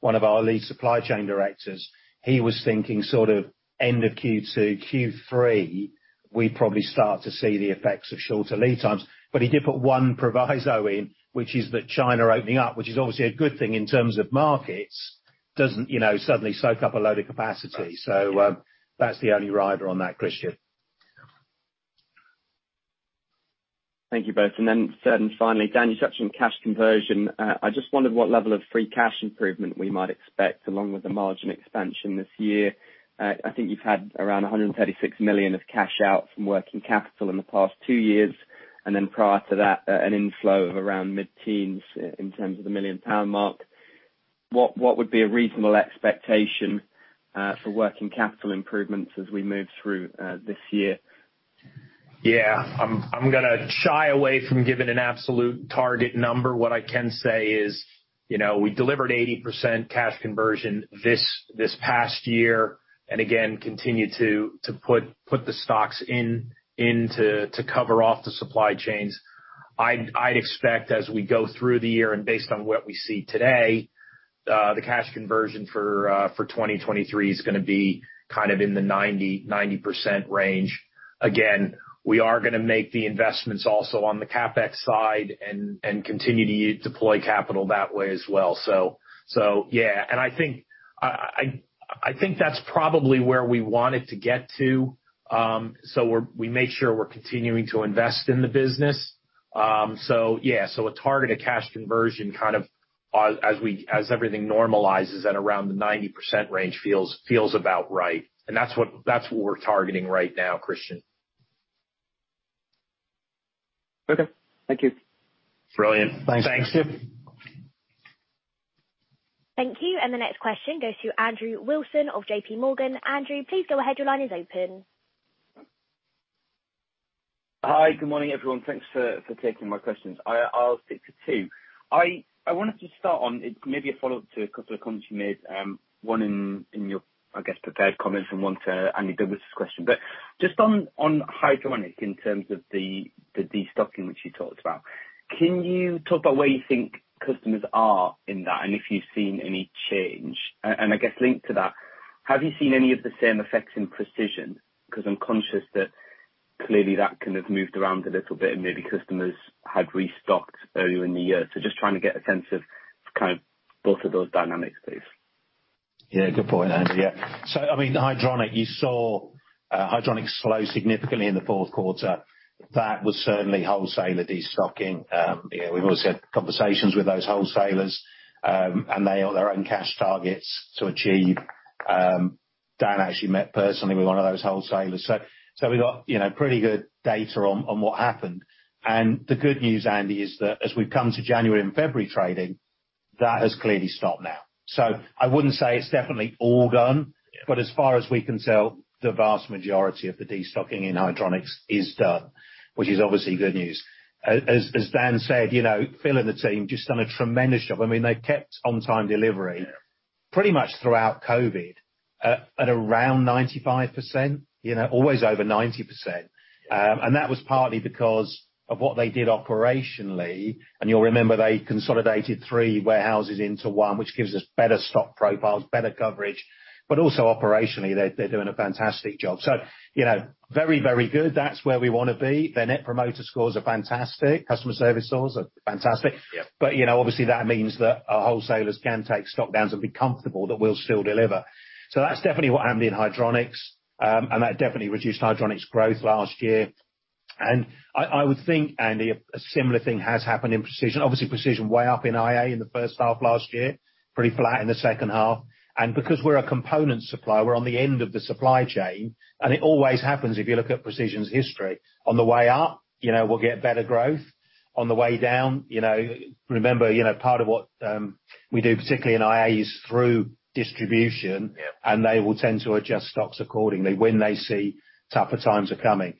one of our lead supply chain directors, he was thinking sort of end of Q2, Q3, we probably start to see the effects of shorter lead times. He did put one proviso in, which is that China opening up, which is obviously a good thing in terms of markets, doesn't, you know, suddenly soak up a load of capacity. That's the only rider on that, Christian. Thank you both. Third and finally, Dan, you touched on cash conversion. I just wondered what level of free cash improvement we might expect along with the margin expansion this year. I think you've had around 136 million of cash out from working capital in the past 2 years, and then prior to that, an inflow of around mid-teens in terms of the million-pound mark. What would be a reasonable expectation for working capital improvements as we move through this year? Yeah. I'm gonna shy away from giving an absolute target number. What I can say is, you know, we delivered 80% cash conversion this past year, and again, continue to put the stocks in to cover off the supply chains. I'd expect as we go through the year and based on what we see today, the cash conversion for 2023 is gonna be kind of in the 90% range. Again, we are gonna make the investments also on the CapEx side and continue to deploy capital that way as well. Yeah. I think that's probably where we want it to get to, so we make sure we're continuing to invest in the business. Yeah. A target of cash conversion kind of, as everything normalizes at around the 90% range feels about right. That's what we're targeting right now, Christian. Okay. Thank you. Brilliant. Thanks. Thanks. Thank you. Thank you. The next question goes to Andrew Wilson of J.P. Morgan. Andrew, please go ahead. Your line is open. Hi. Good morning, everyone. Thanks for taking my questions. I'll stick to two. I wanted to start on maybe a follow-up to a couple of comments you made, one in your, I guess, prepared comments and one to Andy Douglas' question. Just on Hydronic in terms of the destocking which you talked about, can you talk about where you think customers are in that and if you've seen any change? And I guess linked to that, have you seen any of the same effects in Precision? 'Cause I'm conscious that clearly that kind of moved around a little bit and maybe customers had restocked earlier in the year. Just trying to get a sense of kind of both of those dynamics, please. Good point, Andy. I mean, Hydronic, you saw Hydronic slow significantly in the fourth quarter. That was certainly wholesaler destocking. You know, we've also had conversations with those wholesalers, and they have their own cash targets to achieve. Dan actually met personally with one of those wholesalers. We've got, you know, pretty good data on what happened. The good news, Andy, is that as we've come to January and February trading, that has clearly stopped now. I wouldn't say it's definitely all gone. Yeah. As far as we can tell, the vast majority of the destocking in Hydronics is done, which is obviously good news. As Dan said, you know, Phil and the team just done a tremendous job. I mean, they've kept on-time delivery- Yeah. Pretty much throughout COVID at around 95%, you know, always over 90%. That was partly because of what they did operationally, and you'll remember they consolidated 3 warehouses into 1, which gives us better stock profiles, better coverage, but also operationally they're doing a fantastic job. You know, very, very good. That's where we wanna be. Their Net Promoter Scores are fantastic. Customer service scores are fantastic. Yeah. You know, obviously that means that our wholesalers can take stock-downs and be comfortable that we'll still deliver. That's definitely what happened in Hydronics, and that definitely reduced Hydronics growth last year. I would think, Andy, a similar thing has happened in Precision. Obviously, Precision way up in IA in the first half last year, pretty flat in the second half. Because we're a component supplier, we're on the end of the supply chain, and it always happens if you look at Precision's history. On the way up, you know, we'll get better growth. On the way down, you know, remember, you know, part of what we do, particularly in IA, is through distribution. Yeah. They will tend to adjust stocks accordingly when they see tougher times are coming.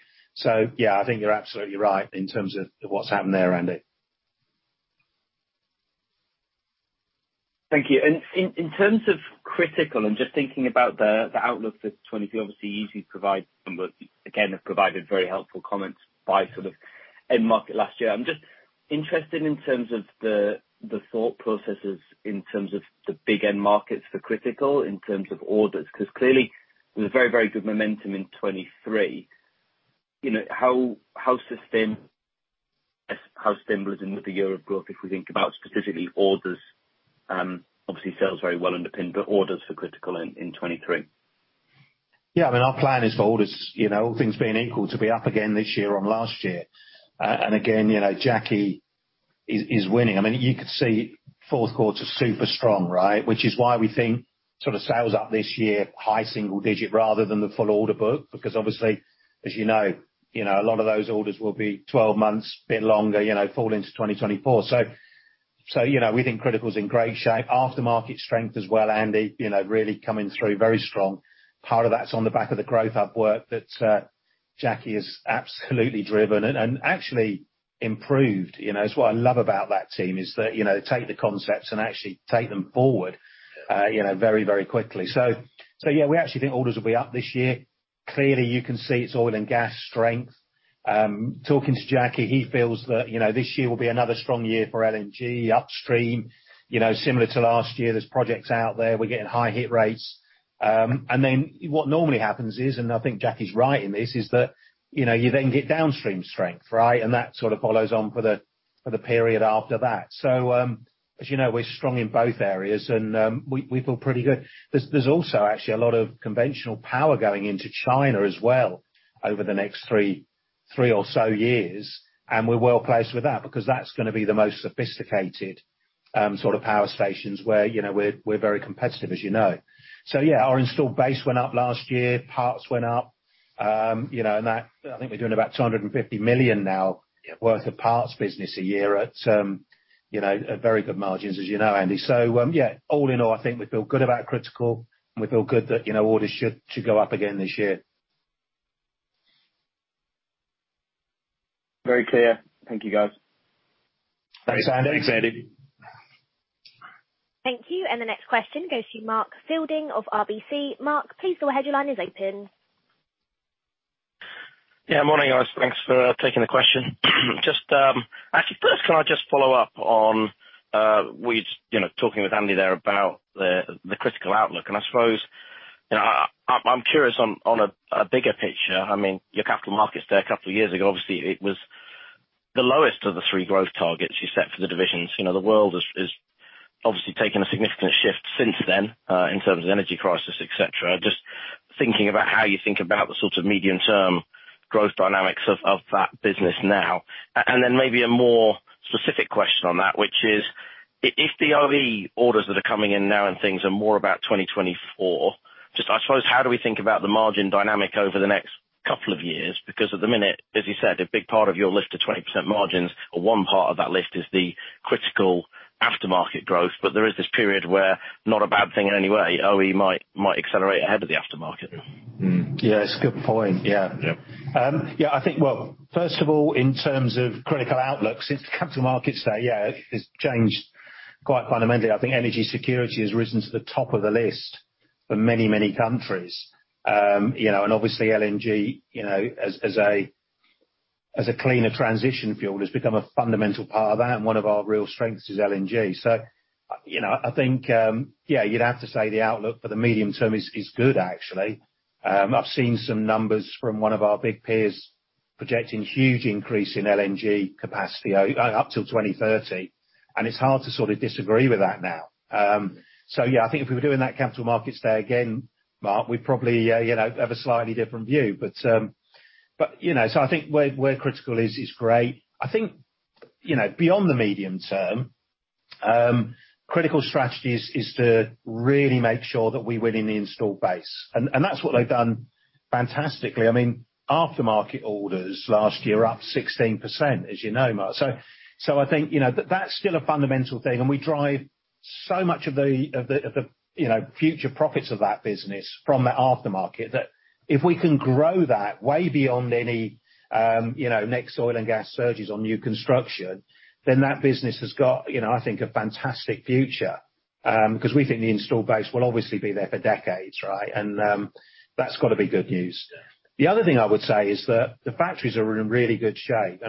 Yeah, I think you're absolutely right in terms of what's happened there, Andy. Thank you. In terms of Critical and just thinking about the outlook for 2023, obviously easy to provide, but again have provided very helpful comments by sort of end market last year. I'm just interested in terms of the thought processes in terms of the big end markets for Critical in terms of orders. 'Cause clearly there's very good momentum in 2023. You know, how sustainable is end of the year growth if we think about specifically orders? Obviously sales very well underpinned, but orders for Critical in 2023. Yeah. I mean, our plan is for orders, you know, all things being equal, to be up again this year on last year. Again, you know, Jackie is winning. I mean, you could see fourth quarter super strong, right? This is why we think sort of sales up this year, high single-digit rather than the full order book, because obviously, as you know, you know, a lot of those orders will be 12 months, a bit longer, you know, fall into 2024. You know, we think Critical's in great shape. Aftermarket strength as well, Andy, you know, really coming through very strong. Part of that's on the back of the Growth Hub work that Jackie has absolutely driven and actually improved. It's what I love about that team, is that, you know, take the concepts and actually take them forward, very, very quickly. Yeah, we actually think orders will be up this year. Clearly, you can see it's oil and gas strength. Talking to Jackie, he feels that, you know, this year will be another strong year for LNG upstream. Similar to last year, there's projects out there. We're getting high hit rates. Then what normally happens is, and I think Jackie's right in this, is that, you know, you then get downstream strength, right? That sort of follows on for the period after that. As you know, we're strong in both areas, and we feel pretty good. There's also actually a lot of conventional power going into China as well over the next 3 or so years, and we're well placed with that because that's gonna be the most sophisticated sort of power stations where, you know, we're very competitive, as you know. Yeah, our installed base went up last year, parts went up, you know, and that I think we're doing about 250 million now worth of parts business a year at, you know, at very good margins, as you know, Andy. Yeah, all in all, I think we feel good about Critical, and we feel good that, you know, orders should go up again this year. Very clear. Thank you, guys. Thanks, Andy. Thanks, Andy. Thank you. The next question goes to Mark Fielding of RBC. Mark, please go ahead. Your line is open. Yeah, morning, guys. Thanks for taking the question. Just actually first, can I just follow up on, you know, talking with Andy there about the critical outlook. I suppose, you know, I'm curious on a bigger picture. I mean, your Capital Markets there a couple of years ago, obviously, it was the lowest of the 3 growth targets you set for the divisions. You know, the world has obviously taken a significant shift since then, in terms of energy crisis, et cetera. Just thinking about how you think about the sorts of medium-term growth dynamics of that business now. Then maybe a more specific question on that, which is if the OE orders that are coming in now and things are more about 2024, just I suppose, how do we think about the margin dynamic over the next couple of years? Because at the minute, as you said, a big part of your list of 20% margins or one part of that list is the critical aftermarket growth, but there is this period where, not a bad thing in any way, OE might accelerate ahead of the aftermarket. Yeah, it's a good point. Yeah. Yeah. Yeah, I think, well, first of all, in terms of critical outlook, since the Capital Markets Day, yeah, it's changed quite fundamentally. I think energy security has risen to the top of the list for many, many countries. You know, and obviously, LNG, you know, as a, as a cleaner transition fuel has become a fundamental part of that, and one of our real strengths is LNG. You know, I think, yeah, you'd have to say the outlook for the medium term is good, actually. I've seen some numbers from one of our big peers projecting huge increase in LNG capacity up till 2030, and it's hard to sort of disagree with that now. Yeah, I think if we were doing that capital markets day again, Mark, we'd probably, you know, have a slightly different view. You know, I think where Critical is great. I think, you know, beyond the medium term, Critical strategy is to really make sure that we win in the install base. That's what they've done fantastically. I mean aftermarket orders last year up 16%, as you know, Mark. I think, you know, that's still a fundamental thing, and we drive so much of the, you know, future profits of that business from the aftermarket that if we can grow that way beyond any, you know, next oil and gas surges on new construction, then that business has got, you know, I think a fantastic future, because we think the install base will obviously be there for decades, right? That's gotta be good news. The other thing I would say is that the factories are in really good shape.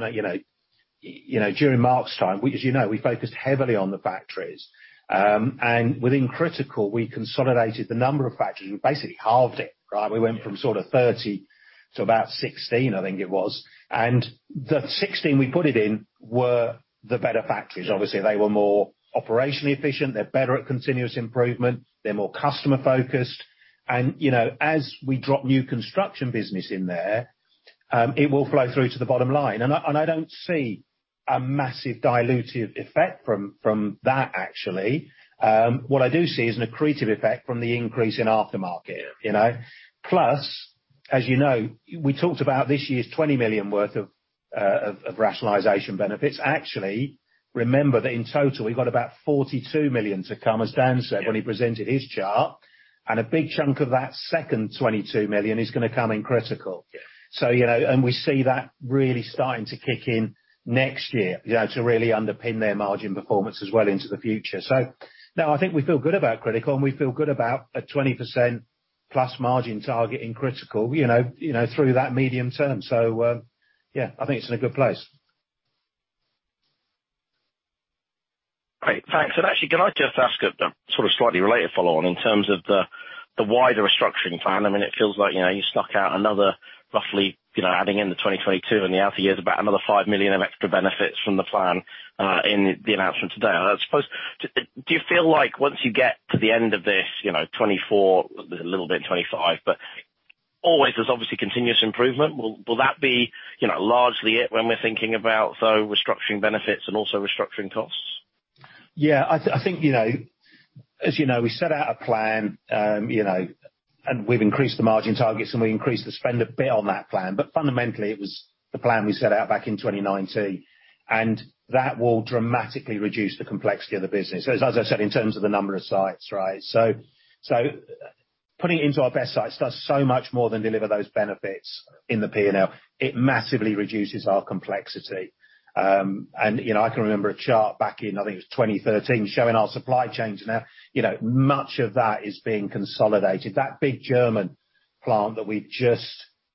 You know, during Mark's time, as you know, we focused heavily on the factories. Within Critical, we consolidated the number of factories. We basically halved it, right? We went from sort of 30 to about 16, I think it was. The 16 we put it in were the better factories. Obviously, they were more operationally efficient, they're better at continuous improvement, they're more customer-focused. You know, as we drop new construction business in there, it will flow through to the bottom line. I don't see a massive dilutive effect from that, actually. What I do see is an accretive effect from the increase in aftermarket, you know? Plus, as you know, we talked about this year's 20 million worth of rationalization benefits. Actually, remember that in total, we've got about 42 million to come, as Dan said when he presented his chart, and a big chunk of that second 22 million is gonna come in Critical. You know, and we see that really starting to kick in next year, you know, to really underpin their margin performance as well into the future. No, I think we feel good about Critical, and we feel good about a 20% plus margin target in Critical, you know, through that medium term. Yeah, I think it's in a good place. Great. Thanks. Actually, can I just ask a sort of slightly related follow-on in terms of the wider restructuring plan? I mean, it feels like, you know, you snuck out another roughly, you know, adding in the 2022 and the other years, about another 5 million of extra benefits from the plan in the announcement today. I suppose, do you feel like once you get to the end of this, you know, 2024, a little bit in 2025, Always, there's obviously continuous improvement. Will that be, you know, largely it when we're thinking about though restructuring benefits and also restructuring costs? Yeah. I think, you know, as you know, we set out a plan, you know, and we've increased the margin targets, and we increased the spend a bit on that plan. Fundamentally, it was the plan we set out back in 2019, and that will dramatically reduce the complexity of the business. As I said, in terms of the number of sites, right? Putting it into our best sites does so much more than deliver those benefits in the P&L. It massively reduces our complexity. You know, I can remember a chart back in, I think it was 2013, showing our supply chains, and, you know, much of that is being consolidated. That big German plant that we just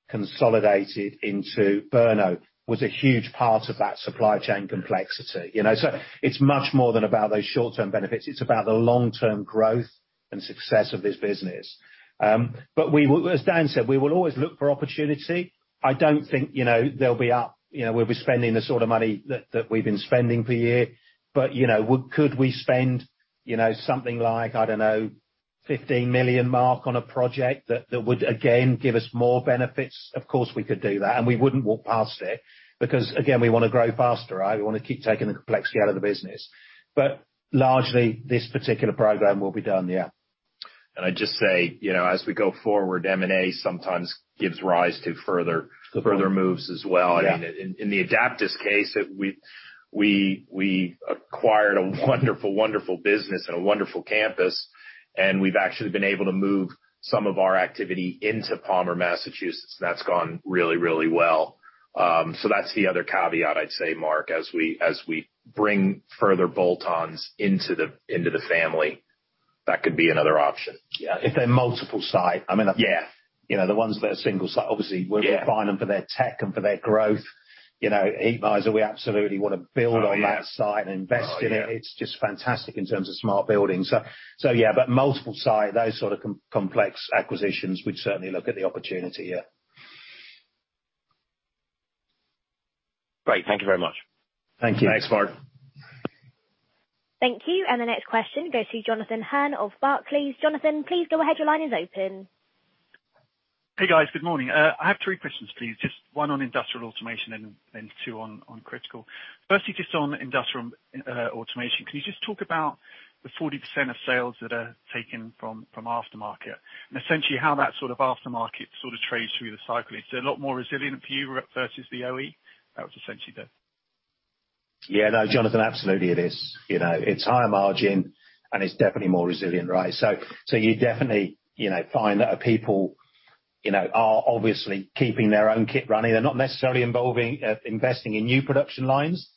consolidated into Brno was a huge part of that supply chain complexity. You know, so it's much more than about those short-term benefits. It's about the long-term growth and success of this business. We will As Dan said, we will always look for opportunity. I don't think, you know, there'll be up, you know, we'll be spending the sort of money that we've been spending per year. You know, could we spend, you know, something like, I don't know, 15 million, Mark, on a project that would, again, give us more benefits? Of course, we could do that, and we wouldn't walk past it because, again, we wanna grow faster, right? We wanna keep taking the complexity out of the business. Largely, this particular program will be done, yeah. I'd just say, you know, as we go forward, M&A sometimes gives rise to further moves as well. Yeah. I mean, in the Adaptas case, we acquired a wonderful business and a wonderful campus, and we've actually been able to move some of our activity into Palmer, Massachusetts, and that's gone really, really well. That's the other caveat I'd say, Mark, as we bring further bolt-ons into the family, that could be another option. Yeah, if they're multiple site. I mean Yeah. You know, the ones that are single site, obviously- Yeah. We're buying them for their tech and for their growth. You know, Heatmiser, we absolutely wanna build on- Oh, yeah. That site and invest in it. Oh, yeah. It's just fantastic in terms of smart building. Yeah, multiple site, those sort of complex acquisitions, we'd certainly look at the opportunity, yeah. Great. Thank you very much. Thank you. Thanks, Mark. Thank you. The next question goes to Jonathan Hurn of Barclays. Jonathan, please go ahead. Your line is open. Hey, guys. Good morning. I have three questions, please. Just one on Industrial Automation and two on Critical. Firstly, just on Industrial Automation, can you just talk about the 40% of sales that are taken from aftermarket and essentially how that aftermarket trades through the cycle? Is there a lot more resilient for you versus the OE? That was essentially. No, Jonathan, absolutely it is. You know, it's higher margin, and it's definitely more resilient, right? You definitely, you know, find that our people, you know, are obviously keeping their own kit running. They're not necessarily involving, investing in new production lines.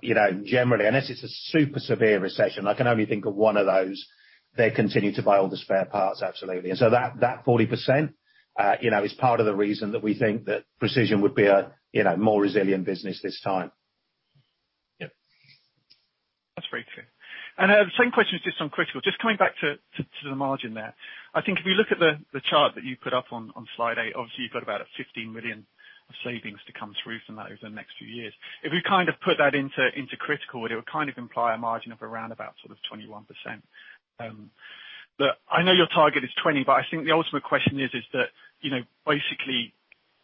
You know, generally, unless it's a super severe recession, I can only think of one of those, they continue to buy all the spare parts, absolutely. That 40%, you know, is part of the reason that we think that Precision would be a, you know, more resilient business this time. Yep. That's very clear. The same question is just on Critical. Just coming back to the margin there. I think if you look at the chart that you put up on slide 8, obviously you've got about a 15 million of savings to come through from that over the next few years. If you kind of put that into Critical, it would kind of imply a margin of around about sort of 21%. I know your target is 20, but I think the ultimate question is that, you know, basically,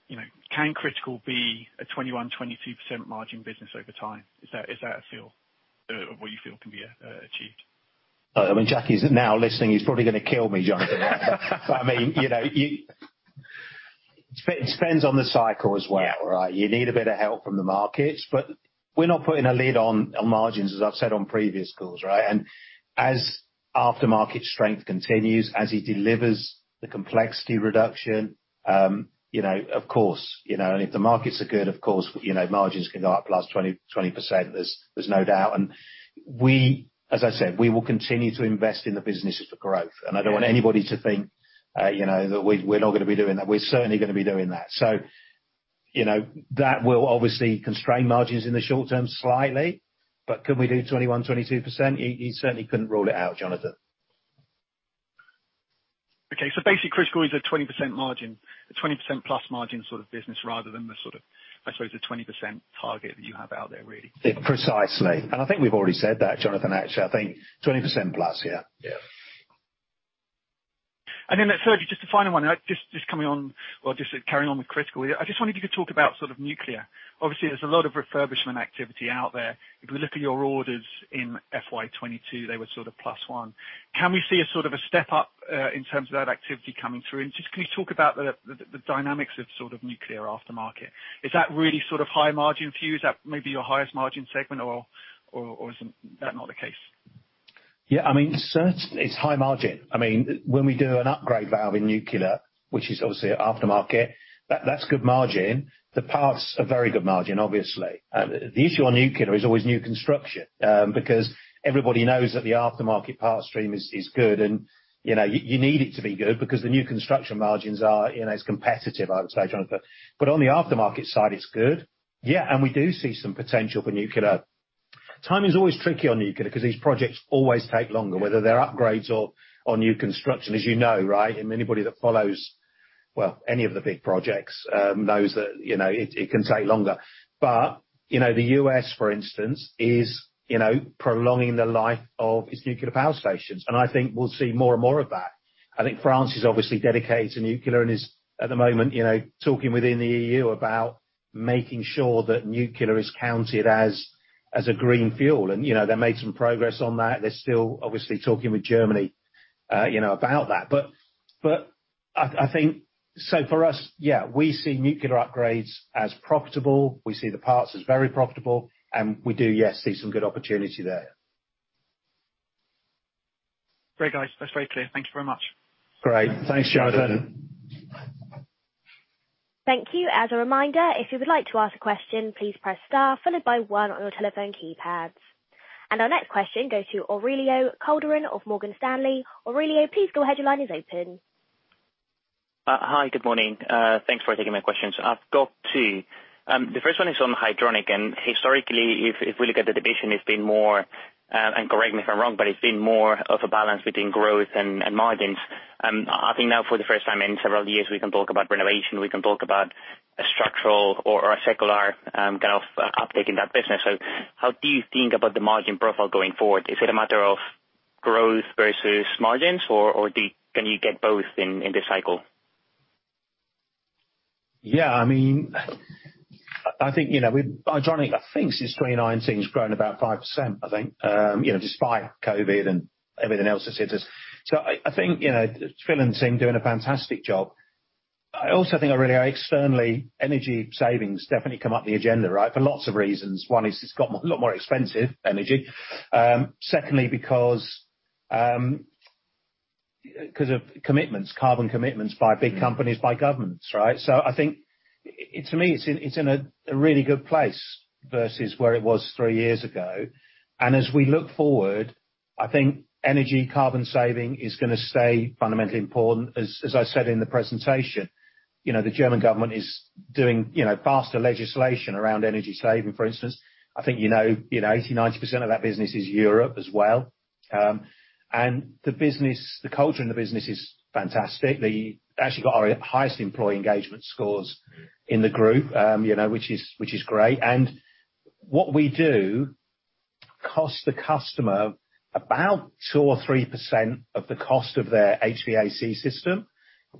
you know, can Critical be a 21%, 22% margin business over time? Is that what you feel can be achieved? I mean, Jackie is now listening. He's probably gonna kill me, Jonathan. I mean, you know, you. It spends on the cycle as well, right? You need a bit of help from the markets. We're not putting a lid on margins, as I've said on previous calls, right? As aftermarket strength continues, as it delivers the complexity reduction, you know, of course, you know. If the markets are good, of course, you know, margins can go up +20%. There's no doubt. As I said, we will continue to invest in the business for growth. Yeah. I don't want anybody to think, you know, that we're not gonna be doing that. We're certainly gonna be doing that. You know, that will obviously constrain margins in the short term slightly, but can we do 21%-22%? You certainly couldn't rule it out, Jonathan? Basically, Critical Engineering is a 20% margin, a 20%+ margin sort of business rather than the sort of, I suppose, the 20% target that you have out there, really? Precisely. I think we've already said that, Jonathan, actually. I think 20% plus, yeah. Yeah. Thirdly, just a final one. Just coming on or just carrying on with critical. I just wondered if you could talk about sort of nuclear. Obviously, there's a lot of refurbishment activity out there. If we look at your orders in FY 2022, they were sort of +1. Can we see a sort of a step up in terms of that activity coming through? Just can you talk about the dynamics of sort of nuclear aftermarket? Is that really sort of high margin for you? Is that maybe your highest margin segment or is that not the case? Yeah, I mean, it's high margin. I mean, when we do an upgrade valve in nuclear, which is obviously aftermarket, that's good margin. The parts are very good margin, obviously. The issue on nuclear is always new construction because everybody knows that the aftermarket part stream is good and, you know, you need it to be good because the new construction margins are, you know, it's competitive, I would say, Jonathan. On the aftermarket side, it's good. Yeah, we do see some potential for nuclear. Timing is always tricky on nuclear 'cause these projects always take longer, whether they're upgrades or new construction, as you know, right? Anybody that follows, well, any of the big projects, knows that, you know, it can take longer. You know, the U.S., for instance, is, you know, prolonging the life of its nuclear power stations. I think we'll see more and more of that. I think France is obviously dedicated to nuclear and is at the moment, you know, talking within the EU about making sure that nuclear is counted as a green fuel. You know, they made some progress on that. They're still obviously talking with Germany, you know, about that. I think so for us, yeah, we see nuclear upgrades as profitable. We see the parts as very profitable, and we do, yes, see some good opportunity there. Great, guys. That's very clear. Thank you very much. Great. Thanks, Jonathan. Thank you. As a reminder, if you would like to ask a question, please press star followed by one on your telephone keypads. Our next question goes to Aurelio Calderin of Morgan Stanley. Aurelio, please go ahead. Your line is open. Hi, good morning. Thanks for taking my questions. I've got two. The first one is on Hydronic. Historically, if we look at the division, it's been more, and correct me if I'm wrong, but it's been more of a balance between growth and margins. I think now for the first time in several years, we can talk about renovation, we can talk about a structural or a secular, kind of uptake in that business. How do you think about the margin profile going forward? Is it a matter of growth versus margins or can you get both in this cycle? Yeah, I mean, I think, you know, Hydronic, I think since 2019 has grown about 5%, I think, you know, Phil and the team doing a fantastic job. I also think Aurelio, externally, energy savings definitely come up the agenda, right? For lots of reasons. One is it's got a lot more expensive, energy. Secondly, because of commitments, carbon commitments by big companies, by governments, right? I think to me it's in a really good place versus where it was three years ago. As we look forward, I think energy carbon saving is gonna stay fundamentally important. As I said in the presentation, you know, the German government is doing, you know, faster legislation around energy saving, for instance. I think, you know, 80%-90% of that business is Europe as well. The business, the culture in the business is fantastic. It's actually got our highest employee engagement scores in the group, you know, which is great. What we do costs the customer about 2% or 3% of the cost of their HVAC system,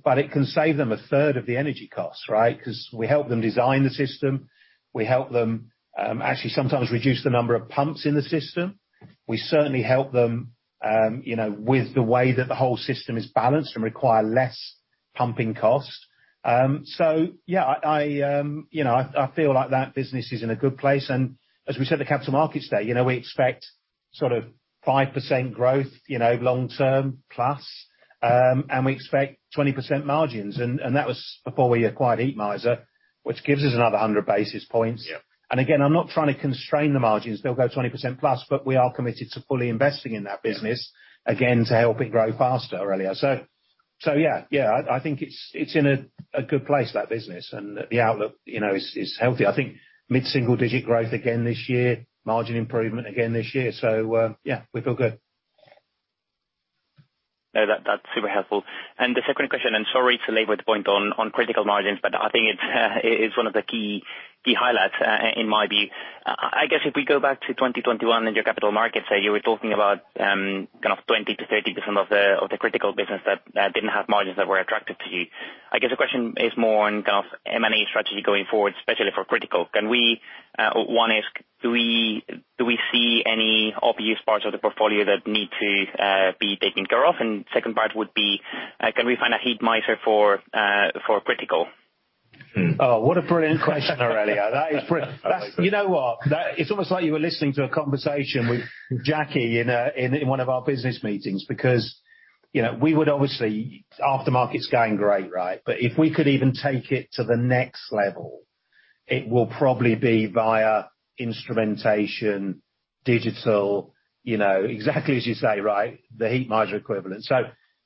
but it can save them a third of the energy costs, right? 'Cause we help them design the system. We help them actually sometimes reduce the number of pumps in the system. We certainly help them, you know, with the way that the whole system is balanced and require less pumping costs. Yeah, I, you know, I feel like that business is in a good place. As we said at the Capital Markets Day, you know, we expect sort of 5% growth, you know, long-term, plus, and we expect 20% margins. That was before we acquired Heatmiser, which gives us another 100 basis points. Yeah. Again, I'm not trying to constrain the margins. They'll go 20% plus, we are committed to fully investing in that business, again, to help it grow faster, earlier. Yeah, yeah. I think it's in a good place, that business. The outlook, you know, is healthy. I think mid-single digit growth again this year, margin improvement again this year. Yeah, we feel good. No, that's super helpful. The second question, I'm sorry to labor the point on Critical margins, but I think it's one of the key highlights in my view. I guess if we go back to 2021 in your capital markets, you were talking about kind of 20%-30% of the Critical business that didn't have margins that were attractive to you. I guess the question is more on kind of M&A strategy going forward, especially for Critical. Can we, one is do we see any obvious parts of the portfolio that need to be taken care of? Second part would be, can we find a Heatmiser for Critical? Oh, what a brilliant question, Aurelio. That is brilliant. You know what? It's almost like you were listening to a conversation with Jackie in one of our business meetings, because, you know, we would obviously... Aftermarket's going great, right? If we could even take it to the next level, it will probably be via instrumentation, digital, you know, exactly as you say, right? The Heatmiser equivalent.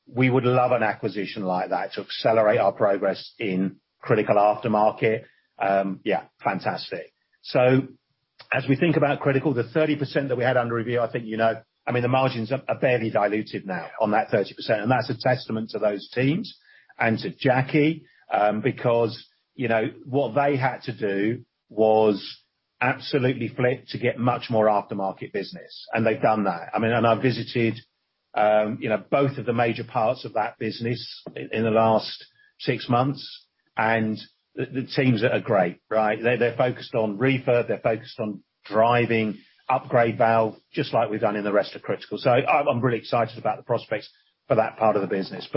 We would love an acquisition like that to accelerate our progress in Critical aftermarket. Yeah, fantastic. As we think about Critical, the 30% that we had under review, I think, you know, I mean, the margins are barely diluted now on that 30%, and that's a testament to those teams and to Jackie, because, you know, what they had to do was absolutely flip to get much more aftermarket business, and they've done that. I've visited, you know, both of the major parts of that business in the last six months, the teams are great, right? They're focused on refurb, they're focused on driving upgrade valve, just like we've done in the rest of Critical. I'm really excited about the prospects for that part of the business.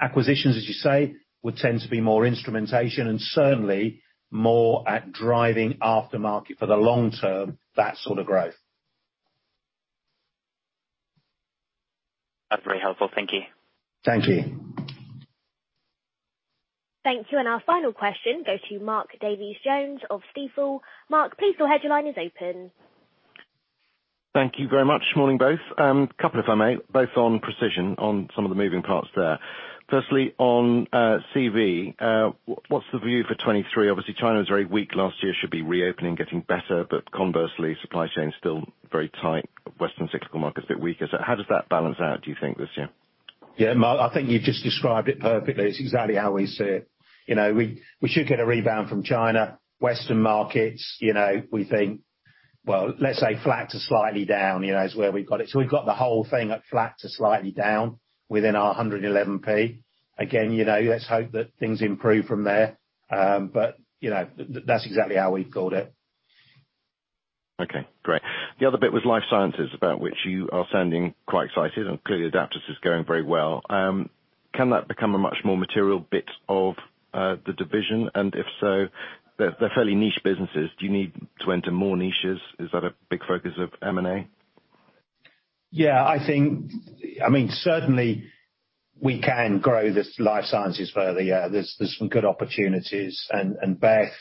Acquisitions, as you say, would tend to be more instrumentation and certainly more at driving aftermarket for the long term, that sort of growth. That's very helpful. Thank you. Thank you. Thank you. Our final question goes to Mark Davies Jones of Stifel. Mark, please go ahead. Your line is open. Thank you very much. Morning, both. Couple if I may, both on Precision, on some of the moving parts there. Firstly, on CV, what's the view for 2023? Obviously, China was very weak last year. Should be reopening, getting better, but conversely, supply chain's still very tight. Western cyclical market's a bit weaker. How does that balance out, do you think, this year? Mark, I think you've just described it perfectly. It's exactly how we see it. You know, we should get a rebound from China. Western markets, you know, we think, well, let's say flat to slightly down, you know, is where we've got it. We've got the whole thing at flat to slightly down within our 111P. You know, let's hope that things improve from there. You know, that's exactly how we've called it. Okay, great. The other bit was life sciences, about which you are sounding quite excited. Clearly Adaptas is going very well. Can that become a much more material bit of the division? If so, they're fairly niche businesses. Do you need to enter more niches? Is that a big focus of M&A? I mean, certainly we can grow this life sciences further. There's some good opportunities. Beth,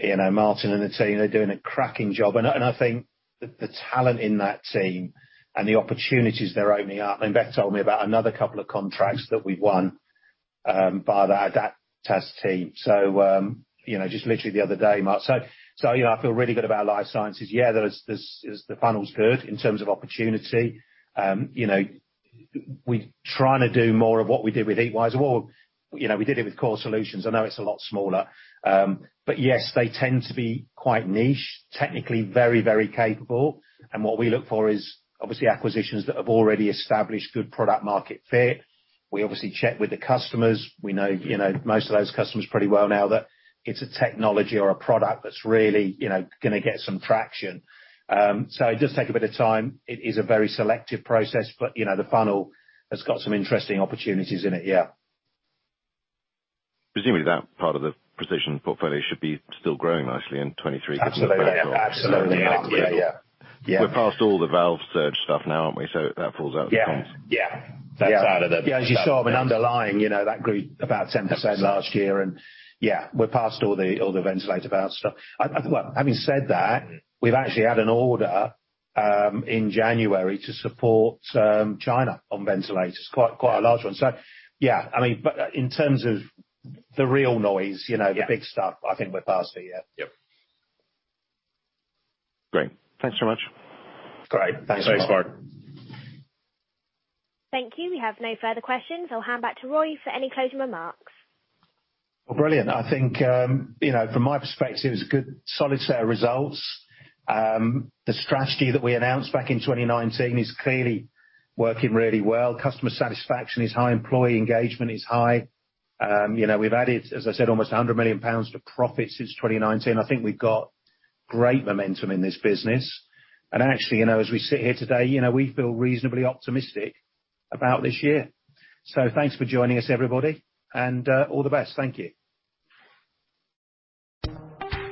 you know, Martin and the team, they're doing a cracking job. I think the talent in that team and the opportunities they're opening up. Beth told me about another couple of contracts that we won by the Adaptas team. just literally the other day, Mark. I feel really good about life sciences. The funnel's good in terms of opportunity. you know, we're trying to do more of what we did with Heatmiser. you know, we did it with Core Solutions. I know it's a lot smaller. yes, they tend to be quite niche. Technically very, very capable. What we look for is obviously acquisitions that have already established good product market fit. We obviously check with the customers. We know, you know, most of those customers pretty well now that it's a technology or a product that's really, you know, gonna get some traction. It does take a bit of time. It is a very selective process, you know, the funnel has got some interesting opportunities in it, yeah. Presumably that part of the precision portfolio should be still growing nicely in 2023. Absolutely. given the Absolutely. Yeah. Yeah. Yeah. We're past all the valve surge stuff now, aren't we? That falls out of the cons. Yeah. Yeah. That side of it. Yeah, as you saw in underlying, you know, that grew about 10% last year and yeah, we're past all the, all the ventilator valve stuff. Well, having said that, we've actually had an order in January to support China on ventilators, quite a large one. Yeah, I mean, but in terms of the real noise, you know, the big stuff, I think we're past it, yeah. Yep. Great. Thanks so much. Great. Thanks a lot. Thanks, Mark. Thank you. We have no further questions. I'll hand back to Roy for any closing remarks. Well, brilliant. I think, you know, from my perspective, it's a good solid set of results. The strategy that we announced back in 2019 is clearly working really well. Customer satisfaction is high, employee engagement is high. You know, we've added, as I said, almost 100 million pounds to profit since 2019. I think we've got great momentum in this business. Actually, you know, as we sit here today, you know, we feel reasonably optimistic about this year. Thanks for joining us, everybody, and, all the best. Thank you.